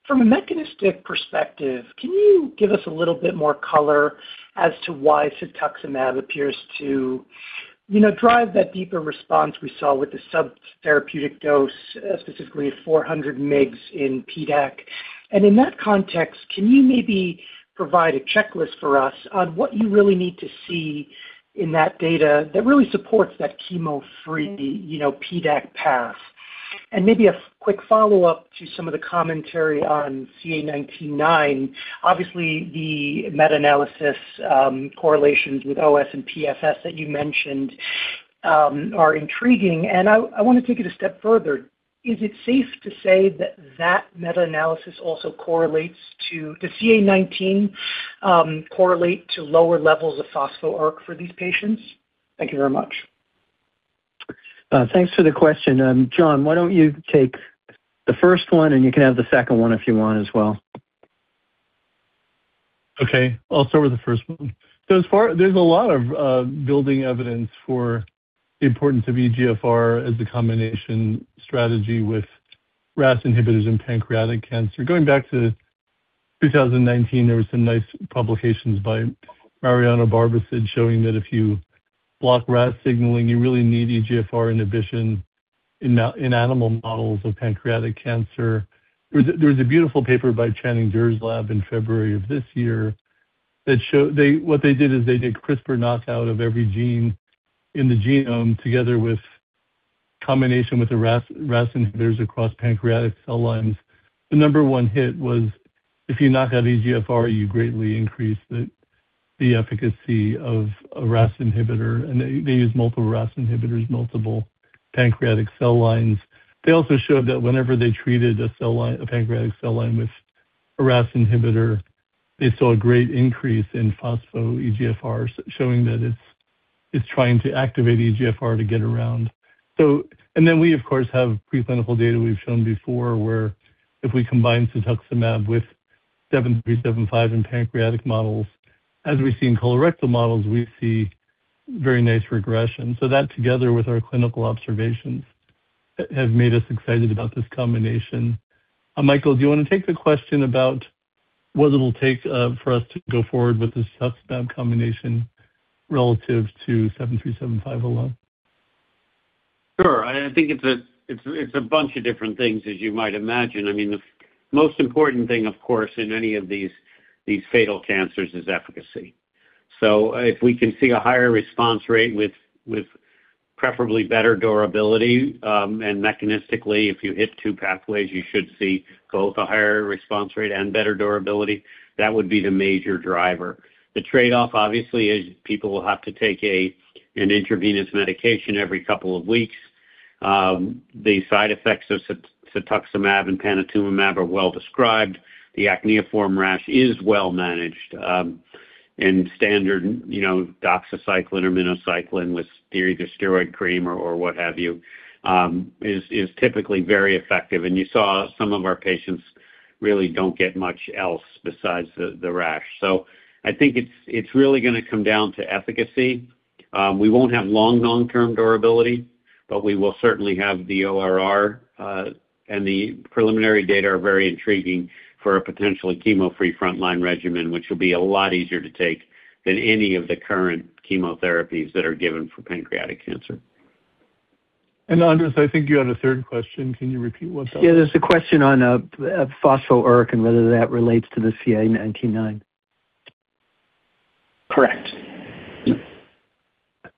from a mechanistic perspective, can you give us a little bit more color as to why cetuximab appears to drive that deeper response we saw with the subtherapeutic dose, specifically at 400 mgs in PDAC? In that context, can you maybe provide a checklist for us on what you really need to see in that data that really supports that chemo-free PDAC path? Maybe a quick follow-up to some of the commentary on CA 19-9. Obviously, the meta-analysis correlations with OS and PFS that you mentioned are intriguing, and I want to take it a step further. Is it safe to say that that meta-analysis also correlates to the CA19 correlate to lower levels of phospho-ERK for these patients? Thank you very much. Thanks for the question. Jon, why don't you take the first one, you can have the second one if you want as well. Okay. I'll start with the first one. There's a lot of building evidence for the importance of EGFR as a combination strategy with RAS inhibitors in pancreatic cancer. Going back to 2019, there were some nice publications by Mariano Barbacid showing that if you block RAS signaling, you really need EGFR inhibition in animal models of pancreatic cancer. There was a beautiful paper by Channing Der's lab in February of this year. They did CRISPR knockout of every gene in the genome together with combination with the RAS inhibitors across pancreatic cell lines. The number one hit was if you knock out EGFR, you greatly increase the efficacy of a RAS inhibitor. They used multiple RAS inhibitors, multiple pancreatic cell lines. They also showed that whenever they treated a pancreatic cell line with a RAS inhibitor, they saw a great increase in phospho-EGFR, showing that it's trying to activate EGFR to get around. We, of course, have preclinical data we've shown before where if we combine Cetuximab with VS-7375 in pancreatic models, as we see in colorectal models, we see very nice regression. That together with our clinical observations, have made us excited about this combination. Michael, do you want to take the question about what it'll take for us to go forward with the Cetuximab combination relative to VS-7375 alone? Sure. I think it's a bunch of different things, as you might imagine. The most important thing, of course, in any of these fatal cancers is efficacy. If we can see a higher response rate with preferably better durability, and mechanistically, if you hit two pathways, you should see both a higher response rate and better durability. That would be the major driver. The trade-off, obviously, is people will have to take an intravenous medication every couple of weeks. The side effects of cetuximab and panitumumab are well-described. The acneiform rash is well managed. Standard doxycycline or minocycline with either steroid cream or what have you, is typically very effective. You saw some of our patients really don't get much else besides the rash. I think it's really going to come down to efficacy. We won't have long-term durability, but we will certainly have the ORR, and the preliminary data are very intriguing for a potentially chemo-free frontline regimen, which will be a lot easier to take than any of the current chemotherapies that are given for pancreatic cancer. Andres, I think you had a third question. Can you repeat what that was? Yeah. There's a question on phospho-ERK and whether that relates to the CA 19-9. Correct.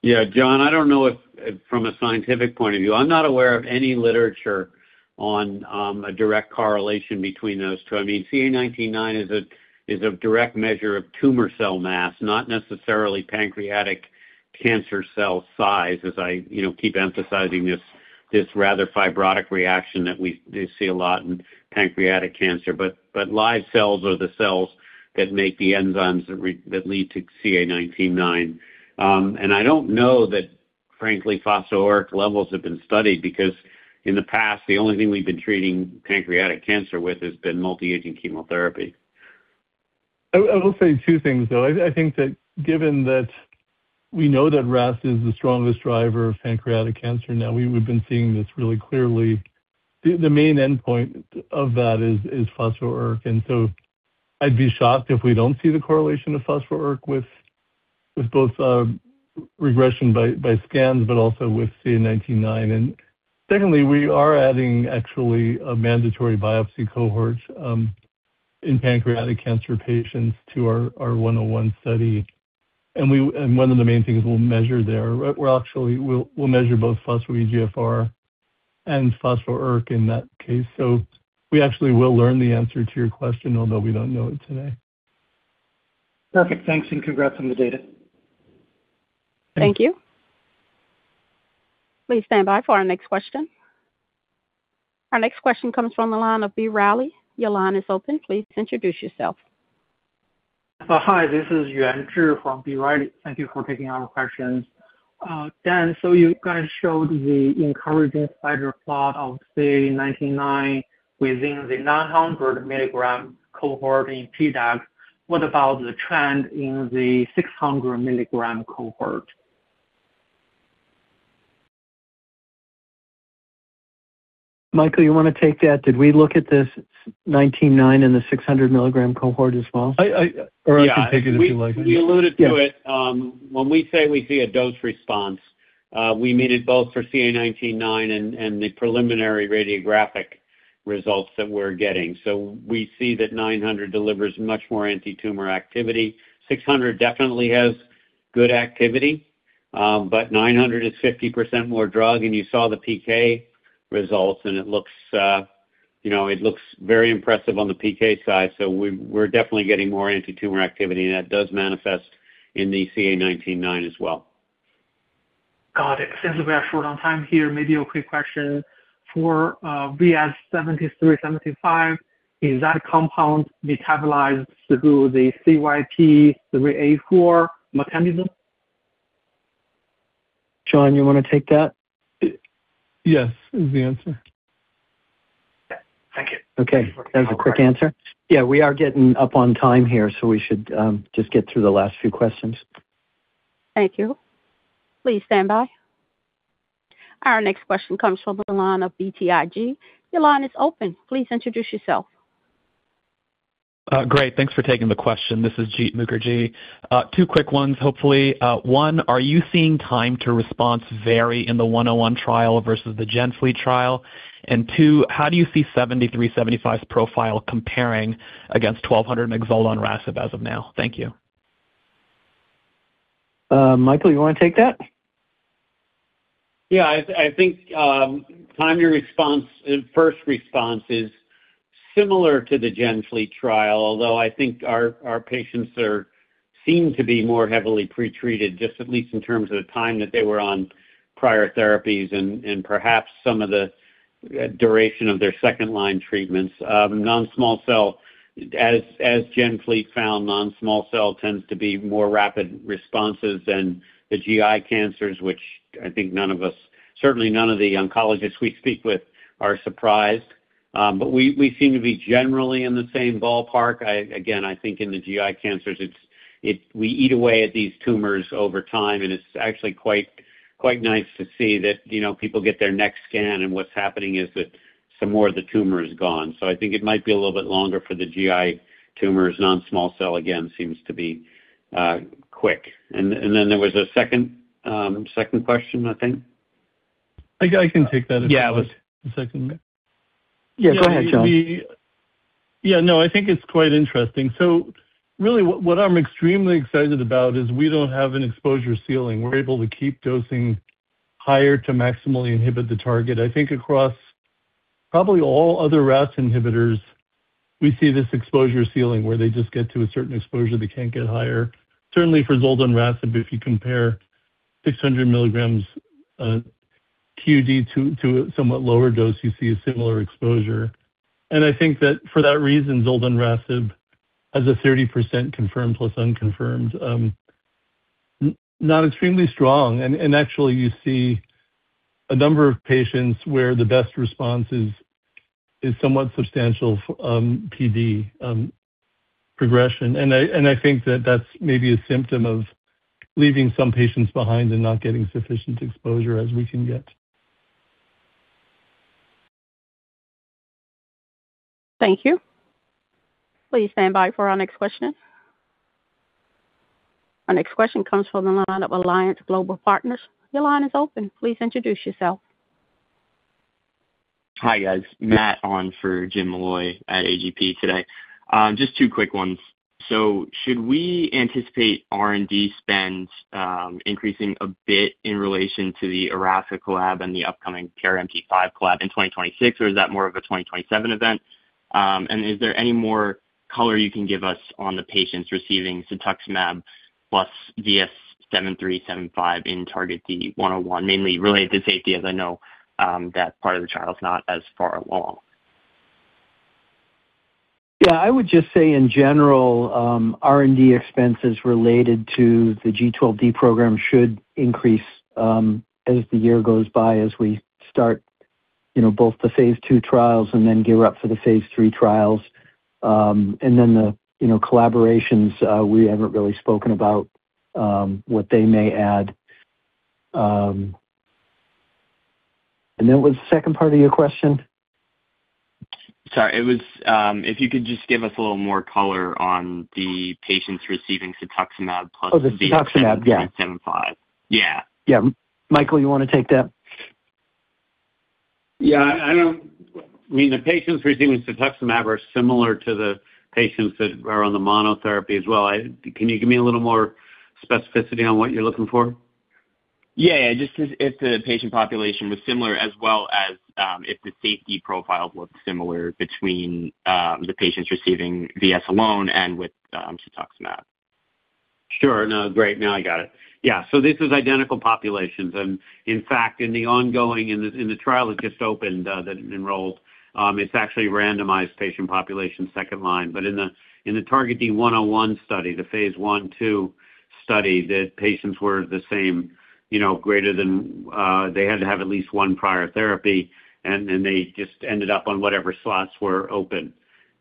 Yeah, John, I don't know if, from a scientific point of view, I'm not aware of any literature on a direct correlation between those two. CA 19-9 is a direct measure of tumor cell mass, not necessarily pancreatic cancer cell size, as I keep emphasizing this rather fibrotic reaction that we do see a lot in pancreatic cancer. Live cells are the cells that make the enzymes that lead to CA 19-9. I don't know that, frankly, phospho-ERK levels have been studied because, in the past, the only thing we've been treating pancreatic cancer with has been multi-agent chemotherapy. I will say two things, though. I think that given that we know that RAS is the strongest driver of pancreatic cancer now, we've been seeing this really clearly. The main endpoint of that is phospho-ERK, I'd be shocked if we don't see the correlation of phospho-ERK with both regression by scans but also with CA 19-9. Secondly, we are adding, actually, a mandatory biopsy cohort in pancreatic cancer patients to our 101 study. One of the main things we'll measure there, we'll measure both phospho-EGFR and phospho-ERK in that case. We actually will learn the answer to your question, although we don't know it today. Perfect. Thanks, and congrats on the data. Thank you. Please stand by for our next question. Our next question comes from the line of B. Riley. Your line is open. Please introduce yourself. Hi, this is Yuan Zhi from B. Riley. Thank you for taking our questions. Dan, you guys showed the encouraging spider plot of CA 19-9 within the 900 mg cohort in PDAC. What about the trend in the 600 mg cohort? Michael, you want to take that? Did we look at this 19-9 in the 600 mg cohort as well? Yeah. I can take it if you like. Yeah. We alluded to it. When we say we see a dose response, we mean it both for CA 19-9 and the preliminary radiographic results that we're getting. We see that 900 delivers much more anti-tumor activity. 600 definitely has good activity, but 900 is 50% more drug, and you saw the PK results, and it looks very impressive on the PK side. We're definitely getting more anti-tumor activity, and that does manifest in the CA 19-9 as well. Got it. Since we are short on time here, maybe a quick question. For VS-7375, is that compound metabolized through the CYP3A4 mechanism? Jon, you want to take that? Yes, is the answer. Thank you. Okay. That was a quick answer. Yeah, we are getting up on time here, so we should just get through the last few questions. Thank you. Please stand by. Our next question comes from the line of BTIG. Your line is open. Please introduce yourself. Great. Thanks for taking the question. This is Jeet Mukherjee. Two quick ones, hopefully. One, are you seeing time to response vary in the 101 trial versus the GenFleet trial? Two, how do you see 7375's profile comparing against 1,200 mg zoldonrasib as of now? Thank you. Michael, you want to take that? Yeah. I think time to first response is similar to the GenFleet trial, although I think our patients seem to be more heavily pretreated, just at least in terms of the time that they were on prior therapies and perhaps some of the duration of their second-line treatments. As GenFleet found, non-small cell tends to be more rapid responses than the GI cancers, which I think none of us, certainly none of the oncologists we speak with, are surprised. We seem to be generally in the same ballpark. Again, I think in the GI cancers, we eat away at these tumors over time, and it's actually quite nice to see that people get their next scan, and what's happening is that some more of the tumor is gone. I think it might be a little bit longer for the GI tumors. Non-small cell, again, seems to be quick. There was a second question, I think. I can take that as well. Yeah. Yeah, go ahead, Jon. Yeah. No, I think it's quite interesting. Really what I'm extremely excited about is we don't have an exposure ceiling. We're able to keep dosing higher to maximally inhibit the target. I think across. Probably all other RAS inhibitors, we see this exposure ceiling where they just get to a certain exposure, they can't get higher. Certainly for zoldonrasib, if you compare 600 mg QD to a somewhat lower dose, you see a similar exposure. I think that for that reason, zoldonrasib has a 30% confirmed plus unconfirmed. Not extremely strong. Actually, you see a number of patients where the best response is somewhat substantial PD progression. I think that's maybe a symptom of leaving some patients behind and not getting sufficient exposure as we can get. Thank you. Please stand by for our next questioner. Our next question comes from the line of Alliance Global Partners. Your line is open. Please introduce yourself. Hi, guys. Matt on for Jim Malloy at AGP today. Just two quick ones. Should we anticipate R&D spend increasing a bit in relation to the Erasca collab and the upcoming PRMT5 collab in 2026, or is that more of a 2027 event? Is there any more color you can give us on the patients receiving cetuximab plus VS-7375 in TARGET-D 101, mainly related to safety, as I know that part of the trial is not as far along. Yeah, I would just say in general, R&D expenses related to the G12D program should increase as the year goes by as we start both the phase II trials and then gear up for the phase III trials. The collaborations, we haven't really spoken about what they may add. What was the second part of your question? Sorry. It was if you could just give us a little more color on the patients receiving cetuximab plus- Oh, the cetuximab. - VS-7375. Yeah. Yeah. Michael, you want to take that? Yeah, I mean, the patients receiving cetuximab are similar to the patients that are on the monotherapy as well. Can you give me a little more specificity on what you're looking for? Yeah. Just if the patient population was similar as well as if the safety profile looked similar between the patients receiving VS alone and with cetuximab. Sure. No, great. Now I got it. Yeah. This is identical populations. In fact, in the ongoing, in the trial that just opened, that enrolled, it's actually randomized patient population second line, but in the TARGET-D 101 study, the phase I/II study, the patients were the same. They had to have at least one prior therapy, then they just ended up on whatever slots were open.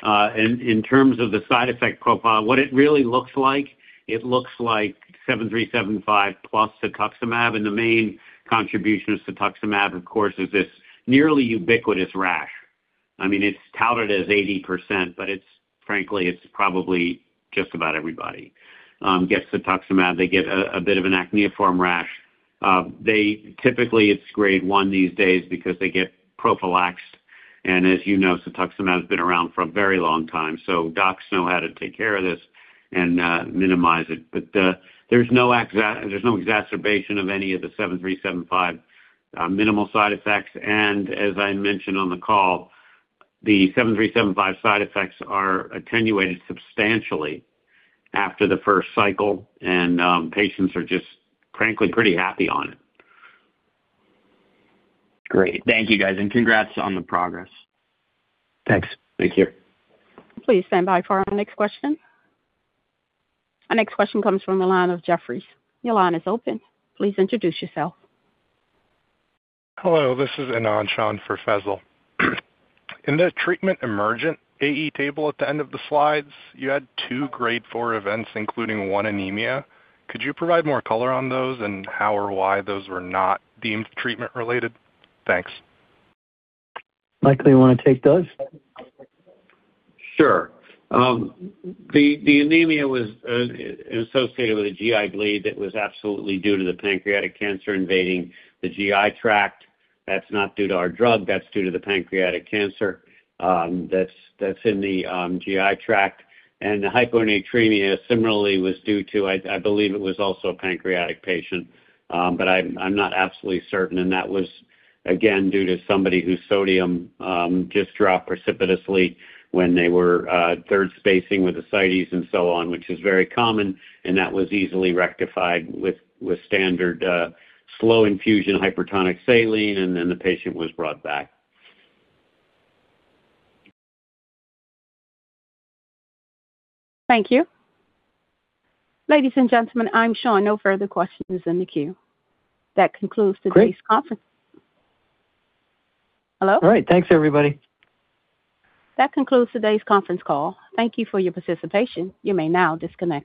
In terms of the side effect profile, what it really looks like, it looks like 7375 plus cetuximab, and the main contribution of cetuximab, of course, is this nearly ubiquitous rash. I mean, it's touted as 80%, but frankly, it's probably just about everybody gets cetuximab. They get a bit of an acneiform rash. Typically, it's grade one these days because they get prophylaxed. As you know, cetuximab's been around for a very long time, docs know how to take care of this and minimize it. There's no exacerbation of any of the 7375 minimal side effects. As I mentioned on the call, the 7375 side effects are attenuated substantially after the first cycle, patients are just frankly pretty happy on it. Great. Thank you, guys, and congrats on the progress. Thanks. Thank you. Please stand by for our next question. Our next question comes from the line of Jefferies. Your line is open. Please introduce yourself. Hello, this is Anand Shan for Faisal. In the treatment emergent AE table at the end of the slides, you had two grade four events, including one anemia. Could you provide more color on those and how or why those were not deemed treatment-related? Thanks. Michael, you want to take those? Sure. The anemia was associated with a GI bleed that was absolutely due to the pancreatic cancer invading the GI tract. That's not due to our drug; that's due to the pancreatic cancer that's in the GI tract. The hyponatremia similarly was due to, I believe it was also a pancreatic patient, but I'm not absolutely certain. That was, again, due to somebody whose sodium just dropped precipitously when they were third spacing with ascites and so on, which is very common, and that was easily rectified with standard slow infusion hypertonic saline, and then the patient was brought back. Thank you. Ladies and gentlemen, I'm showing no further questions in the queue. That concludes today's conference. Great. Hello? All right. Thanks, everybody. That concludes today's conference call. Thank you for your participation. You may now disconnect.